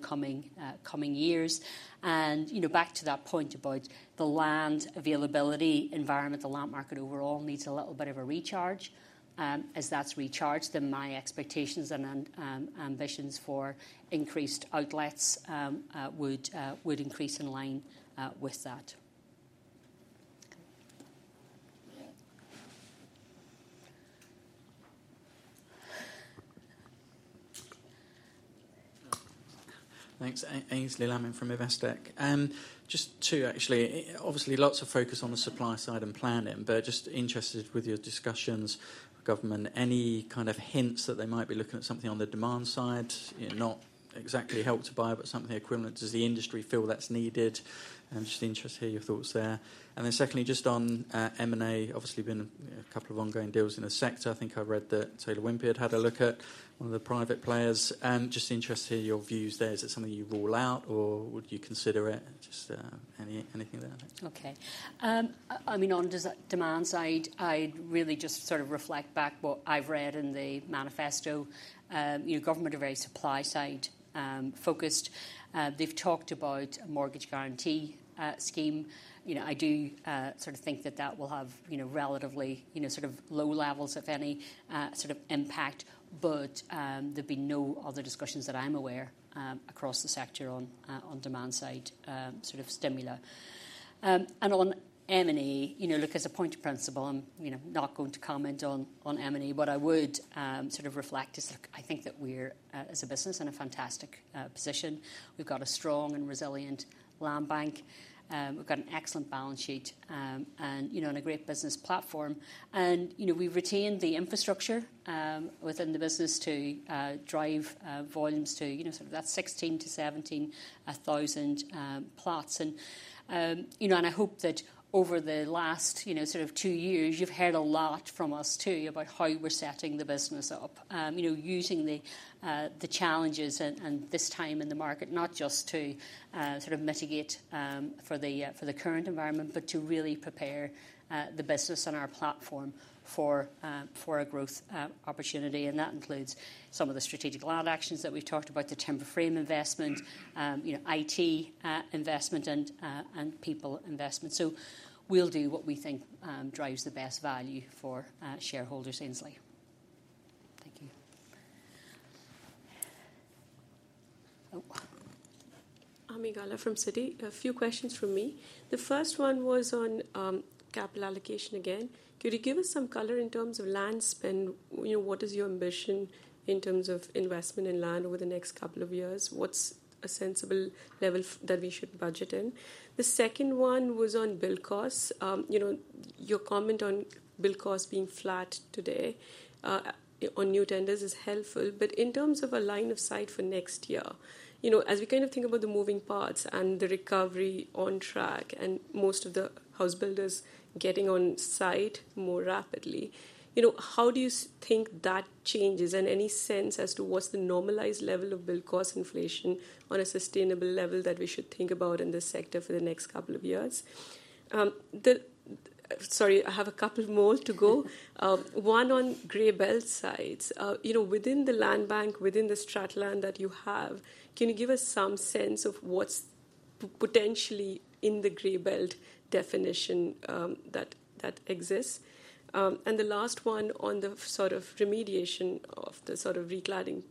coming years. You know, back to that point about the land availability environment, the land market overall needs a little bit of a recharge. As that's recharged, then my expectations and ambitions for increased outlets would increase in line with that. Thanks. Aynsley Lammin from Investec. Just two, actually. Obviously, lots of focus on the supply side and planning, but just interested with your discussions, government, any kind of hints that they might be looking at something on the demand side? You know, not exactly Help to Buy, but something equivalent. Does the industry feel that's needed? Just interested to hear your thoughts there. And then secondly, just on M&A, obviously, been, you know, a couple of ongoing deals in the sector. I think I read that Taylor Wimpey had had a look at one of the private players. Just interested to hear your views there. Is it something you rule out, or would you consider it? Just anything there. Okay. I mean, on demand side, I'd really just sort of reflect back what I've read in the manifesto. You know, government are very supply side focused. They've talked about a Mortgage Guarantee Scheme. You know, I do sort of think that that will have, you know, relatively, you know, sort of low levels, if any, sort of impact. But, there've been no other discussions that I'm aware across the sector on on demand side sort of stimuli. And on M&A, you know, look, as a point of principle, I'm, you know, not going to comment on on M&A. What I would sort of reflect is, look, I think that we're as a business in a fantastic position. We've got a strong and resilient land bank. We've got an excellent balance sheet, and, you know, and a great business platform. And, you know, we've retained the infrastructure within the business to drive volumes to, you know, sort of that 16-17,000 plots. And, you know, and I hope that over the last, you know, sort of two years, you've heard a lot from us, too, about how we're setting the business up. You know, using the the challenges and, and this time in the market, not just to sort of mitigate for the, for the current environment, but to really prepare the business and our platform for, for a growth opportunity, and that includes some of the strategic land actions that we've talked about, the timber frame investment, you know, IT investment, and, and people investment. So we'll do what we think drives the best value for shareholders, Aynsley. Thank you. Oh. Ami Galla from Citi. A few questions from me. The first one was on capital allocation again. Could you give us some color in terms of land spend? You know, what is your ambition in terms of investment in land over the next couple of years? What's a sensible level that we should budget in? The second one was on build costs. You know, your comment on build costs being flat today on new tenders is helpful, but in terms of a line of sight for next year, you know, as we kind of think about the moving parts and the recovery on track, and most of the house builders getting on site more rapidly, you know, how do you think that changes, and any sense as to what's the normalized level of build cost inflation on a sustainable level that we should think about in this sector for the next couple of years? Sorry, I have a couple more to go. One on Green Belt sites. You know, within the land bank, within the strategic land that you have, can you give us some sense of what's potentially in the Green Belt definition, that exists. The last one on the sort of remediation of the sort of recladding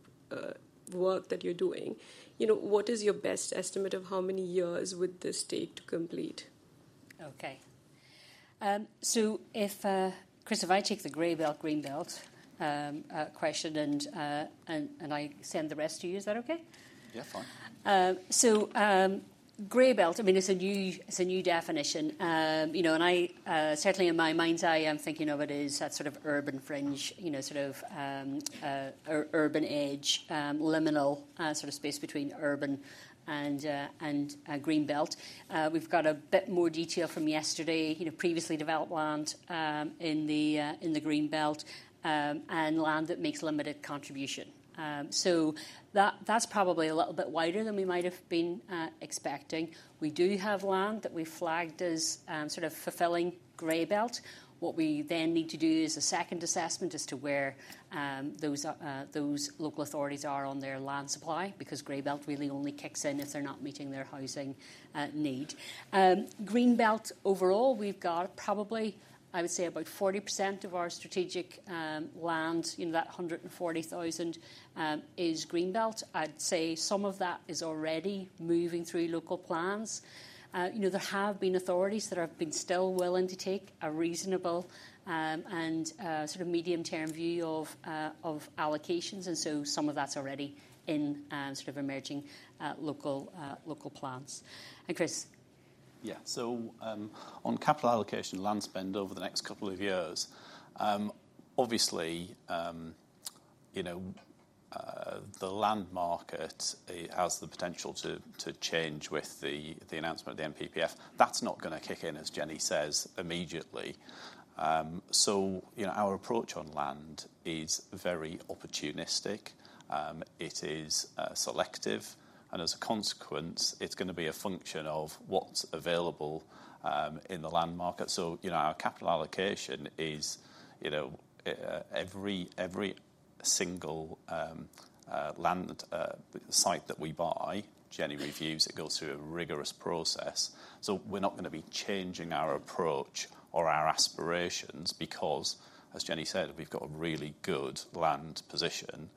work that you're doing. You know, what is your best estimate of how many years would this take to complete? Okay. So if, Chris, if I take the Grey Belt, Green Belt, question and I send the rest to you, is that okay? Yeah, fine. So, Grey Belt, I mean, it's a new, it's a new definition. You know, and I certainly in my mind's eye, I'm thinking of it as that sort of urban fringe, you know, sort of, urban edge, liminal, sort of space between urban and and Green Belt. We've got a bit more detail from yesterday, you know, previously developed land, in the, in the Green Belt, and land that makes limited contribution. So that, that's probably a little bit wider than we might have been, expecting. We do have land that we flagged as, sort of fulfilling Grey Belt. What we then need to do is a second assessment as to where those local authorities are on their land supply, because Grey Belt really only kicks in if they're not meeting their housing need. Green Belt, overall, we've got probably, I would say, about 40% of our strategic land, you know, that 140,000, is Green Belt. I'd say some of that is already moving through local plans. You know, there have been authorities that have been still willing to take a reasonable, and sort of medium-term view of of allocations, and so some of that's already in sort of emerging local local plans. And Chris. Yeah. So, on capital allocation land spend over the next couple of years, obviously, you know, the land market, it has the potential to change with the announcement of the NPPF. That's not gonna kick in, as Jennie says, immediately. So, you know, our approach on land is very opportunistic. It is selective, and as a consequence, it's gonna be a function of what's available in the land market. So, you know, our capital allocation is, you know, every single land site that we buy, Jennie reviews, it goes through a rigorous process. So we're not gonna be changing our approach or our aspirations because, as Jennie said, we've got a really good land position,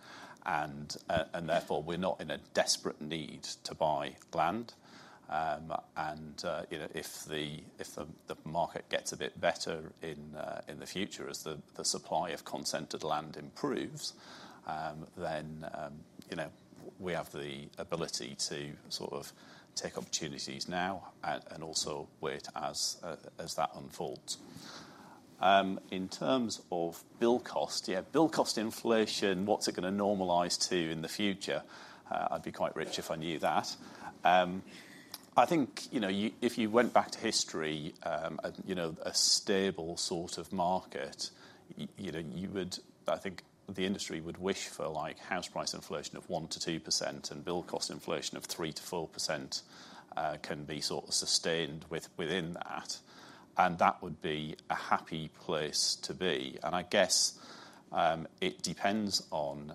and therefore, we're not in a desperate need to buy land. You know, if the market gets a bit better in the future as the supply of consented land improves, then, you know, we have the ability to sort of take opportunities now and also wait as that unfolds. In terms of build cost, yeah, build cost inflation, what's it gonna normalize to in the future? I'd be quite rich if I knew that. I think, you know, if you went back to history, you know, a stable sort of market, you know, you would, I think the industry would wish for like house price inflation of 1%-2%, and build cost inflation of 3%-4%, can be sort of sustained within that, and that would be a happy place to be. I guess it depends on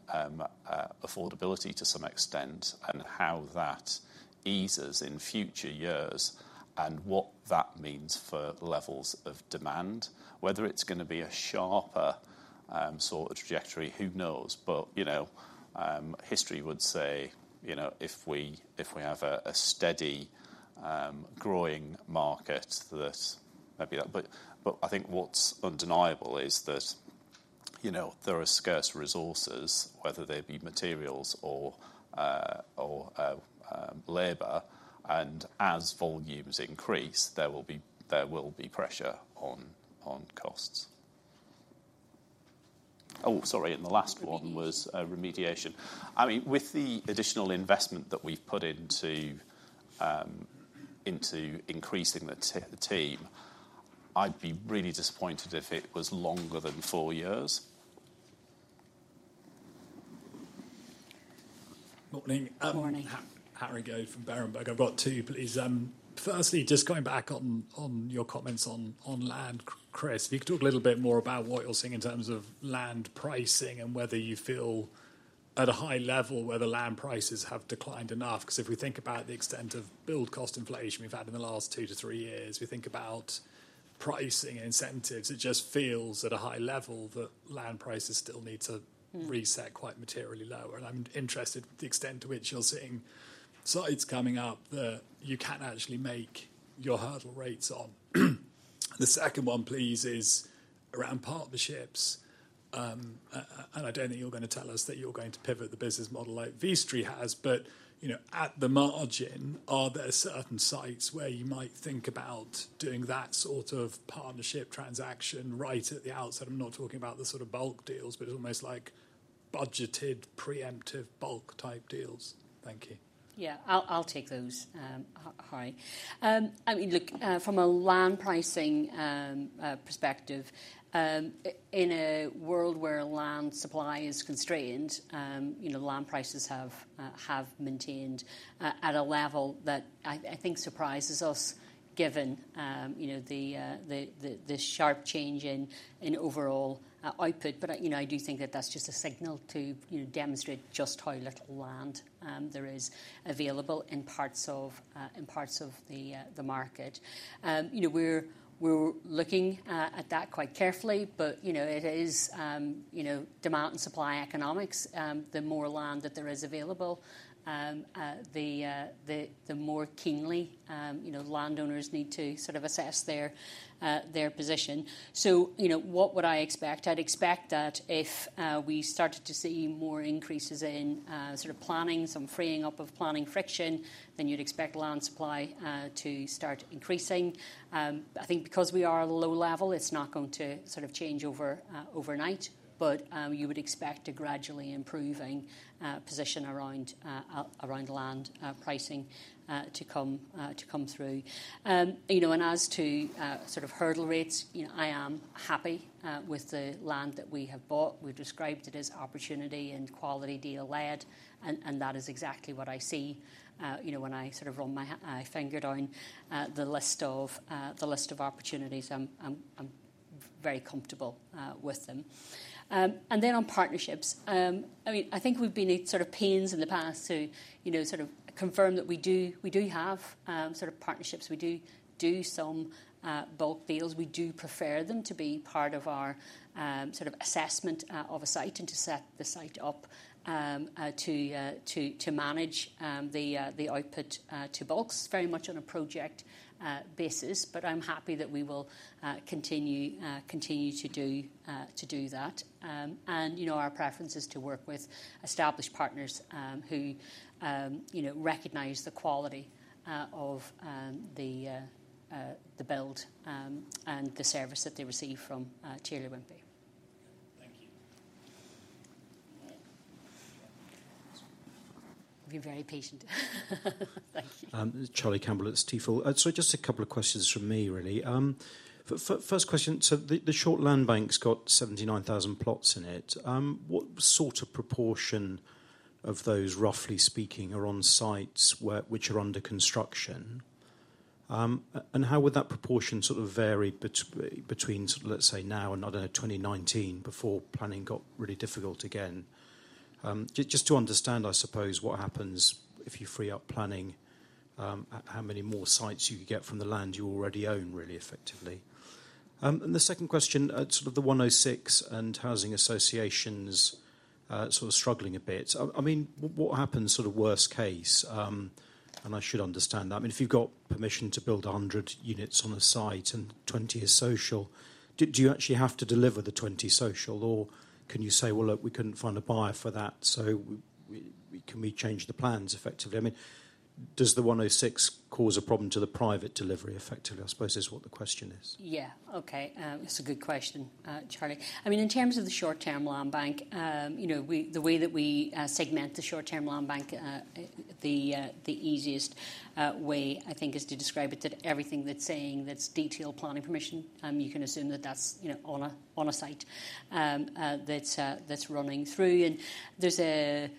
affordability to some extent and how that eases in future years, and what that means for levels of demand. Whether it's gonna be a sharper sort of trajectory, who knows? But you know, history would say, you know, if we have a steady growing market, this maybe... But I think what's undeniable is that you know, there are scarce resources, whether they be materials or labor, and as volumes increase, there will be pressure on costs. Oh, sorry, and the last one was remediation. I mean, with the additional investment that we've put into increasing the team, I'd be really disappointed if it was longer than four years. Morning. Morning. Harry Goad from Berenberg. I've got two, please. Firstly, just coming back on your comments on land, Chris, if you could talk a little bit more about what you're seeing in terms of land pricing and whether you feel, at a high level, whether land prices have declined enough. 'Cause if we think about the extent of build cost inflation we've had in the last two to three years, we think about pricing incentives, it just feels at a high level that land prices still need to reset quite materially lower. And I'm interested the extent to which you're seeing sites coming up that you can actually make your hurdle rates on. The second one, please, is around partnerships. And I don't think you're gonna tell us that you're going to pivot the business model like Vistry has, but, you know, at the margin, are there certain sites where you might think about doing that sort of partnership transaction right at the outset? I'm not talking about the sort of bulk deals, but almost like budgeted, preemptive, bulk-type deals. Thank you. Yeah, I'll take those, Harry. I mean, look, from a land pricing perspective, in a world where land supply is constrained, you know, land prices have maintained at a level that I think surprises us, given you know, the sharp change in overall output. But, you know, I do think that that's just a signal to, you know, demonstrate just how little land there is available in parts of the market. You know, we're looking at that quite carefully, but, you know, it is, you know, demand and supply economics. The more land that there is available, the more keenly, you know, landowners need to sort of assess their their position. So, you know, what would I expect? I'd expect that if we started to see more increases in sort of planning, some freeing up of planning friction, then you'd expect land supply to start increasing. I think because we are at a low level, it's not going to sort of change over overnight, but you would expect a gradually improving position around around land pricing to come to come through. You know, and as to sort of hurdle rates, you know, I am happy with the land that we have bought. We've described it as opportunity and quality deal-led, and that is exactly what I see, you know, when I sort of run my finger down the list of opportunities. I'm very comfortable with them. And then on partnerships, I mean, I think we've been at sort of pains in the past to, you know, sort of confirm that we do, we do have, sort of partnerships. We do do some bulk deals. We do prefer them to be part of our sort of assessment of a site and to set the site up, to manage the output to bulk. It's very much on a project basis, but I'm happy that we will continue to do that. You know, our preference is to work with established partners who you know recognize the quality of the build and the service that they receive from Taylor Wimpey. You're very patient. Thank you. Charlie Campbell at Stifel. So just a couple of questions from me, really. First question, so the short land bank's got 79,000 plots in it. What sort of proportion of those, roughly speaking, are on sites where, which are under construction? And how would that proportion sort of vary between, sort of, let's say now, and, I don't know, 2019 before planning got really difficult again? Just to understand, I suppose, what happens if you free up planning, how many more sites you could get from the land you already own, really effectively. And the second question, sort of the Section 106 and housing associations, sort of struggling a bit. I mean, what happens, sort of worst case? And I should understand that. I mean, if you've got permission to build 100 units on a site and 20 is social, do you actually have to deliver the 20 social, or can you say, "Well, look, we couldn't find a buyer for that, so we can change the plans effectively?" I mean, does the 106 cause a problem to the private delivery effectively, I suppose, is what the question is. Yeah. Okay, it's a good question, Charlie. I mean, in terms of the short-term land bank, you know, the way that we segment the short-term land bank, the easiest way, I think, is to describe it that everything that's saying, that's detailed planning permission, you can assume that that's, you know, on a site that's running through. And there's a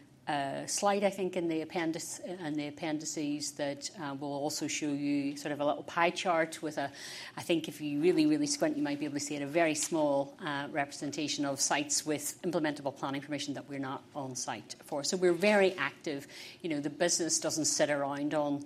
slide, I think, in the appendices that will also show you sort of a little pie chart with a... I think if you really, really squint, you might be able to see it, a very small representation of sites with implementable planning permission that we're not on site for. So we're very active. You know, the business doesn't sit around on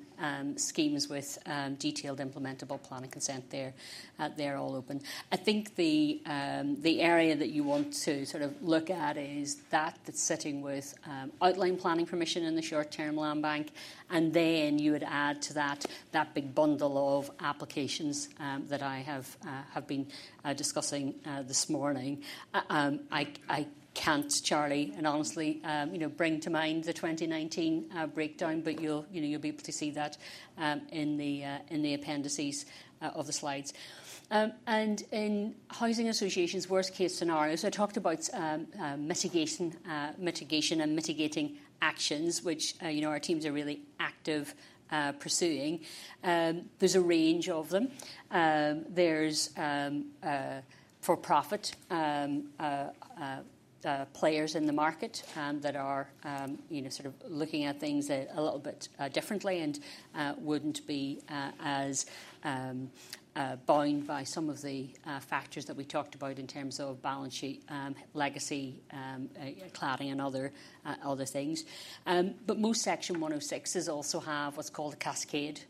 schemes with detailed, implementable planning consent. They're all open. I think the area that you want to sort of look at is that that's sitting with outline planning permission in the short-term land bank, and then you would add to that, that big bundle of applications that I have been discussing this morning. I can't, Charlie, and honestly, you know, bring to mind the 2019 breakdown, but you'll, you know, you'll be able to see that in the appendices of the slides. And in housing associations worst case scenarios, I talked about mitigation, mitigation and mitigating actions, which, you know, our teams are really active pursuing. There's a range of them. There's for-profit players in the market that are, you know, sort of looking at things a little bit differently and wouldn't be as bound by some of the factors that we talked about in terms of balance sheet, legacy, cladding and other things. But most Section 106s also have what's called a cascade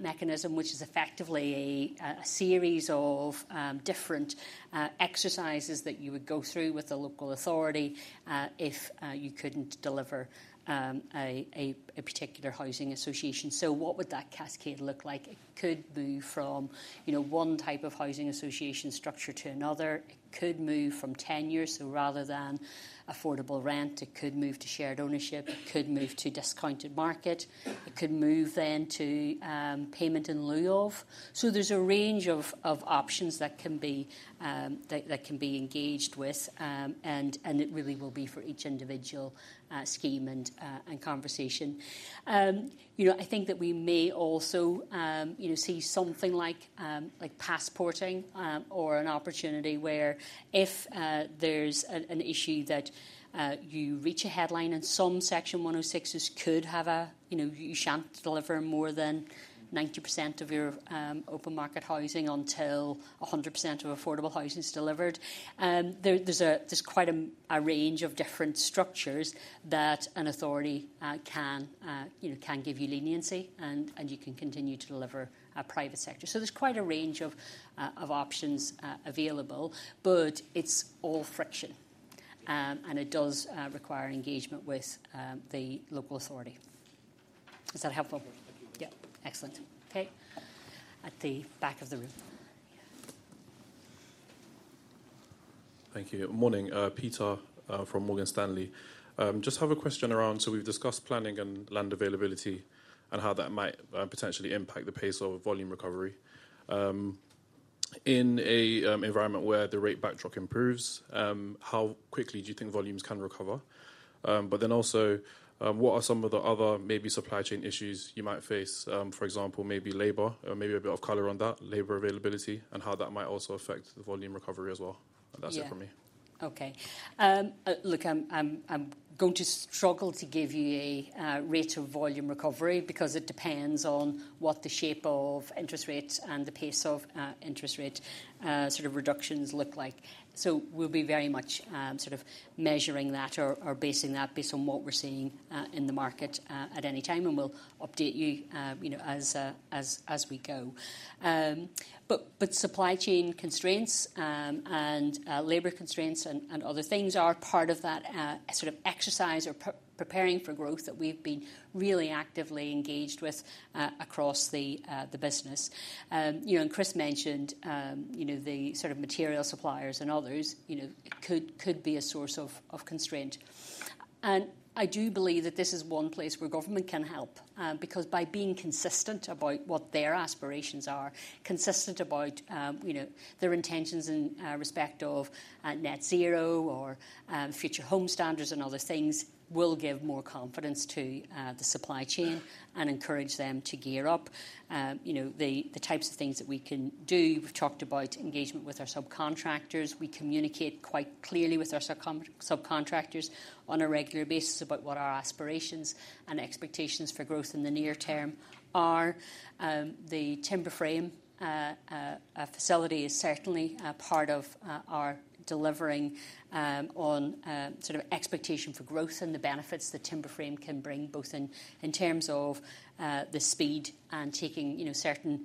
mechanism, which is effectively a series of different exercises that you would go through with the local authority if you couldn't deliver a particular housing association. So what would that cascade look like? It could move from, you know, one type of housing association structure to another. It could move from tenure, so rather than affordable rent, it could move to shared ownership. It could move to discounted market. It could move then to payment in lieu of. So there's a range of options that can be engaged with, and it really will be for each individual scheme and conversation. You know, I think that we may also you know see something like passporting or an opportunity where if there's an issue that you reach a headline and some Section 106s could have a you know you shan't deliver more than 90% of your open market housing until 100% of affordable housing is delivered. There's quite a range of different structures that an authority can you know can give you leniency, and you can continue to deliver a private sector. So there's quite a range of options available, but it's all friction. And it does require engagement with the local authority. Is that helpful? Thank you. Yeah. Excellent. Okay, at the back of the room. Yeah. Thank you. Morning, Peter, from Morgan Stanley. Just have a question around, so we've discussed planning and land availability and how that might potentially impact the pace of volume recovery. In a environment where the rate backdrop improves, how quickly do you think volumes can recover? But then also, what are some of the other maybe supply chain issues you might face, for example, maybe labor? Maybe a bit of color on that, labor availability, and how that might also affect the volume recovery as well. Yeah. That's it for me. Okay. Look, I'm going to struggle to give you a rate of volume recovery because it depends on what the shape of interest rates and the pace of interest rate sort of reductions look like. So we'll be very much sort of measuring that or basing that based on what we're seeing in the market at any time, and we'll update you, you know, as we go. But supply chain constraints and labor constraints and other things are part of that sort of exercise or preparing for growth that we've been really actively engaged with across the business. You know, and Chris mentioned, you know, the sort of material suppliers and others, you know, could be a source of constraint. And I do believe that this is one place where government can help, because by being consistent about what their aspirations are, consistent about, you know, their intentions in respect of Net Zero or Future Homes Standards and other things, will give more confidence to the supply chain and encourage them to gear up. You know, the types of things that we can do, we've talked about engagement with our subcontractors. We communicate quite clearly with our subcontractors on a regular basis about what our aspirations and expectations for growth in the near term are. The timber frame facility is certainly a part of our delivering on sort of expectation for growth and the benefits that timber frame can bring, both in terms of the speed and taking, you know, certain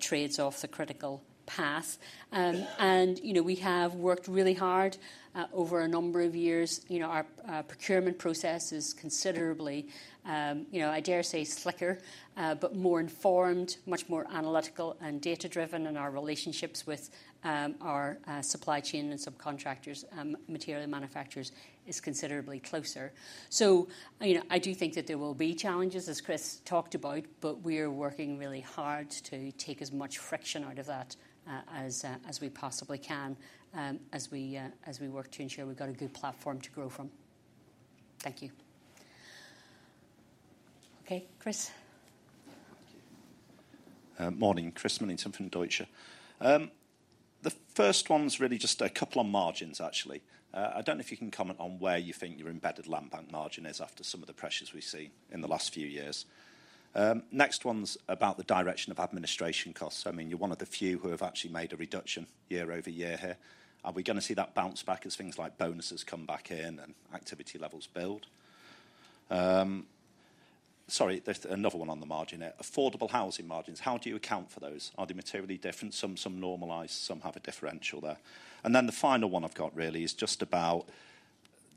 trades off the critical path. You know, we have worked really hard over a number of years. You know, our procurement process is considerably, you know, I dare say, slicker, but more informed, much more analytical and data-driven, and our relationships with our supply chain and subcontractors, material manufacturers, is considerably closer. So, you know, I do think that there will be challenges, as Chris talked about, but we are working really hard to take as much friction out of that as we possibly can, as we work to ensure we've got a good platform to grow from. Thank you. Okay, Chris. Thank you. Morning, Chris Millington from Deutsche. The first one is really just a couple on margins, actually. I don't know if you can comment on where you think your embedded landbank margin is after some of the pressures we've seen in the last few years. Next one's about the direction of administration costs. I mean, you're one of the few who have actually made a reduction year-over-year here. Are we gonna see that bounce back as things like bonuses come back in and activity levels build? Sorry, there's another one on the margin there. Affordable Housing margins, how do you account for those? Are they materially different? Some, some normalized, some have a differential there. And then the final one I've got really is just about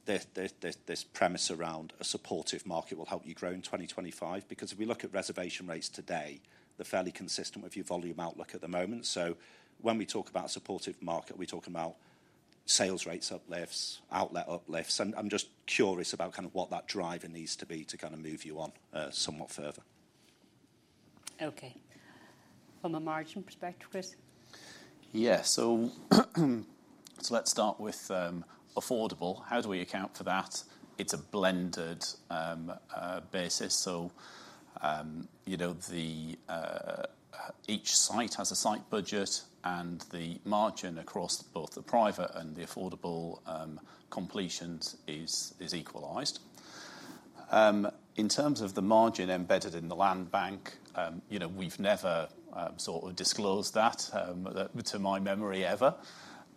this premise around a supportive market will help you grow in 2025. Because if we look at reservation rates today, they're fairly consistent with your volume outlook at the moment. So when we talk about a supportive market, we're talking about sales rates uplifts, outlet uplifts. I'm just curious about kind of what that driver needs to be to kind of move you on, somewhat further. Okay. From a margin perspective, Chris? Yeah. So, let's start with affordable. How do we account for that? It's a blended basis, so you know, the each site has a site budget, and the margin across both the private and the affordable completions is equalized. In terms of the margin embedded in the land bank, you know, we've never sort of disclosed that to my memory ever.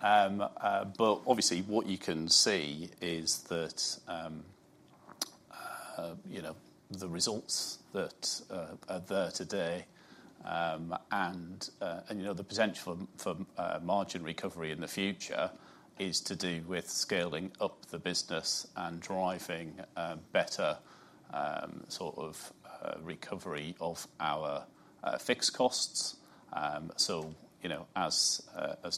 But obviously, what you can see is that you know, the results that are there today, and you know, the potential for margin recovery in the future is to do with scaling up the business and driving better sort of recovery of our fixed costs. So, you know, as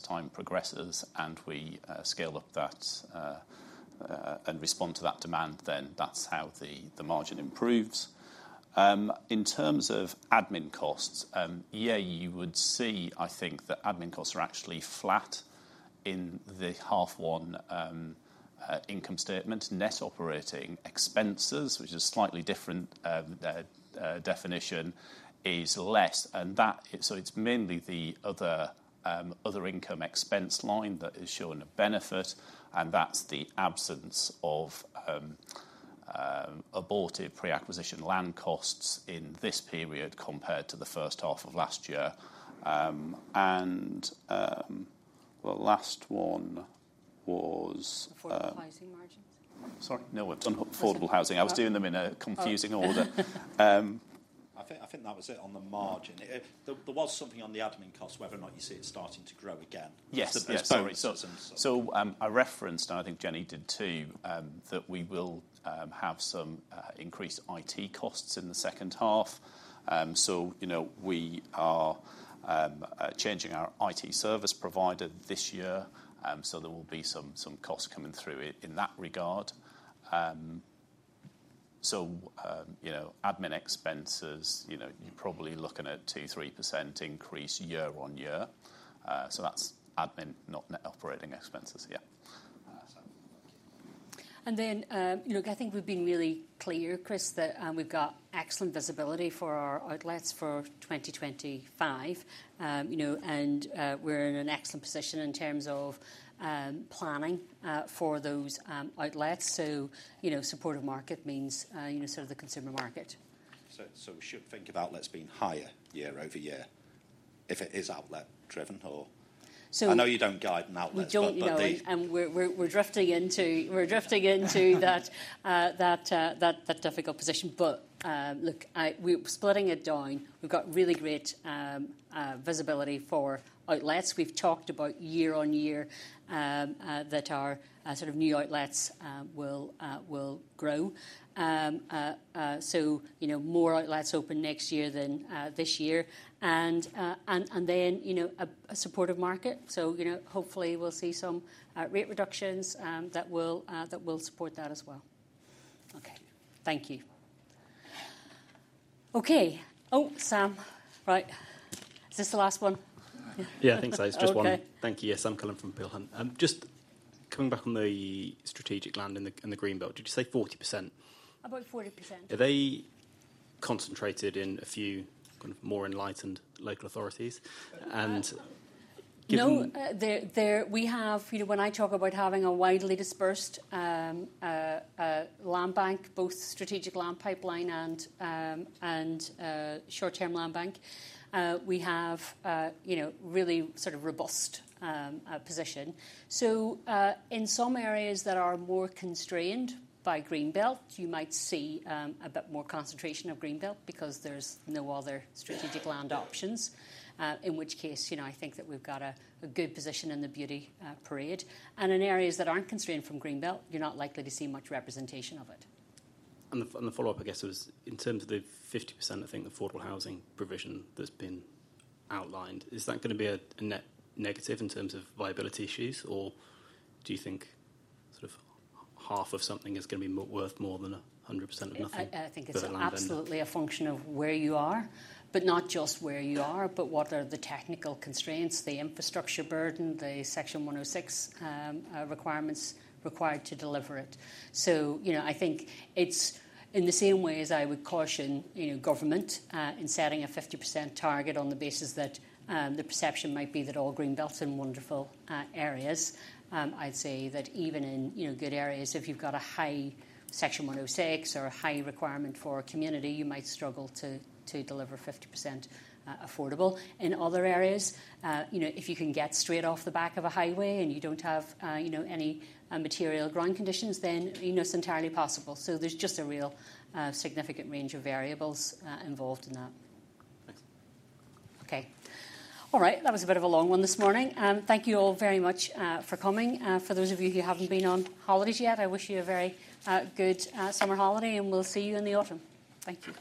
time progresses and we scale up that and respond to that demand, then that's how the margin improves. In terms of admin costs, yeah, you would see, I think, that admin costs are actually flat in the half one income statement. Net operating expenses, which is a slightly different definition, is less, and that. So it's mainly the other income expense line that is showing a benefit, and that's the absence of aborted pre-acquisition land costs in this period compared to the first half of last year. And the last one was. Affordable housing margins? Sorry? No, I've done affordable housing. Oh. I was doing them in a confusing order. I think, I think that was it on the margin. There, there was something on the admin cost, whether or not you see it starting to grow again. Yes. Yes. Sorry, [audio distortion] So, I referenced, and I think Jennie did, too, that we will have some increased IT costs in the second half. So, you know, we are changing our IT service provider this year, so there will be some costs coming through in that regard. So, you know, admin expenses, you know, you're probably looking at 2%-3% increase year-over-year. So that's admin, not net operating expenses. Yeah. Look, I think we've been really clear, Chris, that we've got excellent visibility for our outlets for 2025. You know, and we're in an excellent position in terms of planning for those outlets. So, you know, supportive market means, you know, sort of the consumer market. So, we should think of outlets being higher year over year, if it is outlet driven or So I know you don't guide on outlets, but the We don't, you know, and we're drifting into that difficult position. But, look, we're splitting it down. We've got really great visibility for outlets. We've talked about year-on-year that our sort of new outlets will grow. So, you know, more outlets open next year than this year. And then, you know, a supportive market. So, you know, hopefully we'll see some rate reductions that will support that as well. Okay. Thank you. Okay. Oh, Sam. Right. Is this the last one? Yeah, I think so. Okay. It's just one. Thank you. Yeah, Sam Cullen from Peel Hunt. Just coming back on the strategic land and the, and the Green Belt, did you say 40%? About 40%. Are they concentrated in a few kind of more enlightened local authorities? And given No, there, there. We have, you know, when I talk about having a widely dispersed land bank, both strategic land pipeline and short-term land bank, we have, you know, really sort of robust position. So, in some areas that are more constrained by Green Belt, you might see a bit more concentration of Green Belt because there's no other strategic land options. In which case, you know, I think that we've got a good position in the beauty parade. And in areas that aren't constrained from Green Belt, you're not likely to see much representation of it. The follow-up, I guess, was in terms of the 50%, I think, affordable housing provision that's been outlined, is that gonna be a net negative in terms of viability issues, or do you think sort of half of something is gonna be worth more than 100% of nothing? I think it's The land ban absolutely a function of where you are, but not just where you are, but what are the technical constraints, the infrastructure burden, the Section 106 requirements required to deliver it. So, you know, I think it's in the same way as I would caution, you know, government in setting a 50% target on the basis that the perception might be that all Green Belt's in wonderful areas. I'd say that even in, you know, good areas, if you've got a high Section 106 or a high requirement for a community, you might struggle to, to deliver 50% affordable. In other areas, you know, if you can get straight off the back of a highway and you don't have, you know, any material ground conditions, then, you know, it's entirely possible. There's just a real significant range of variables involved in that. Thanks. Okay. All right. That was a bit of a long one this morning. Thank you all very much for coming. For those of you who haven't been on holidays yet, I wish you a very good summer holiday, and we'll see you in the autumn. Thank you.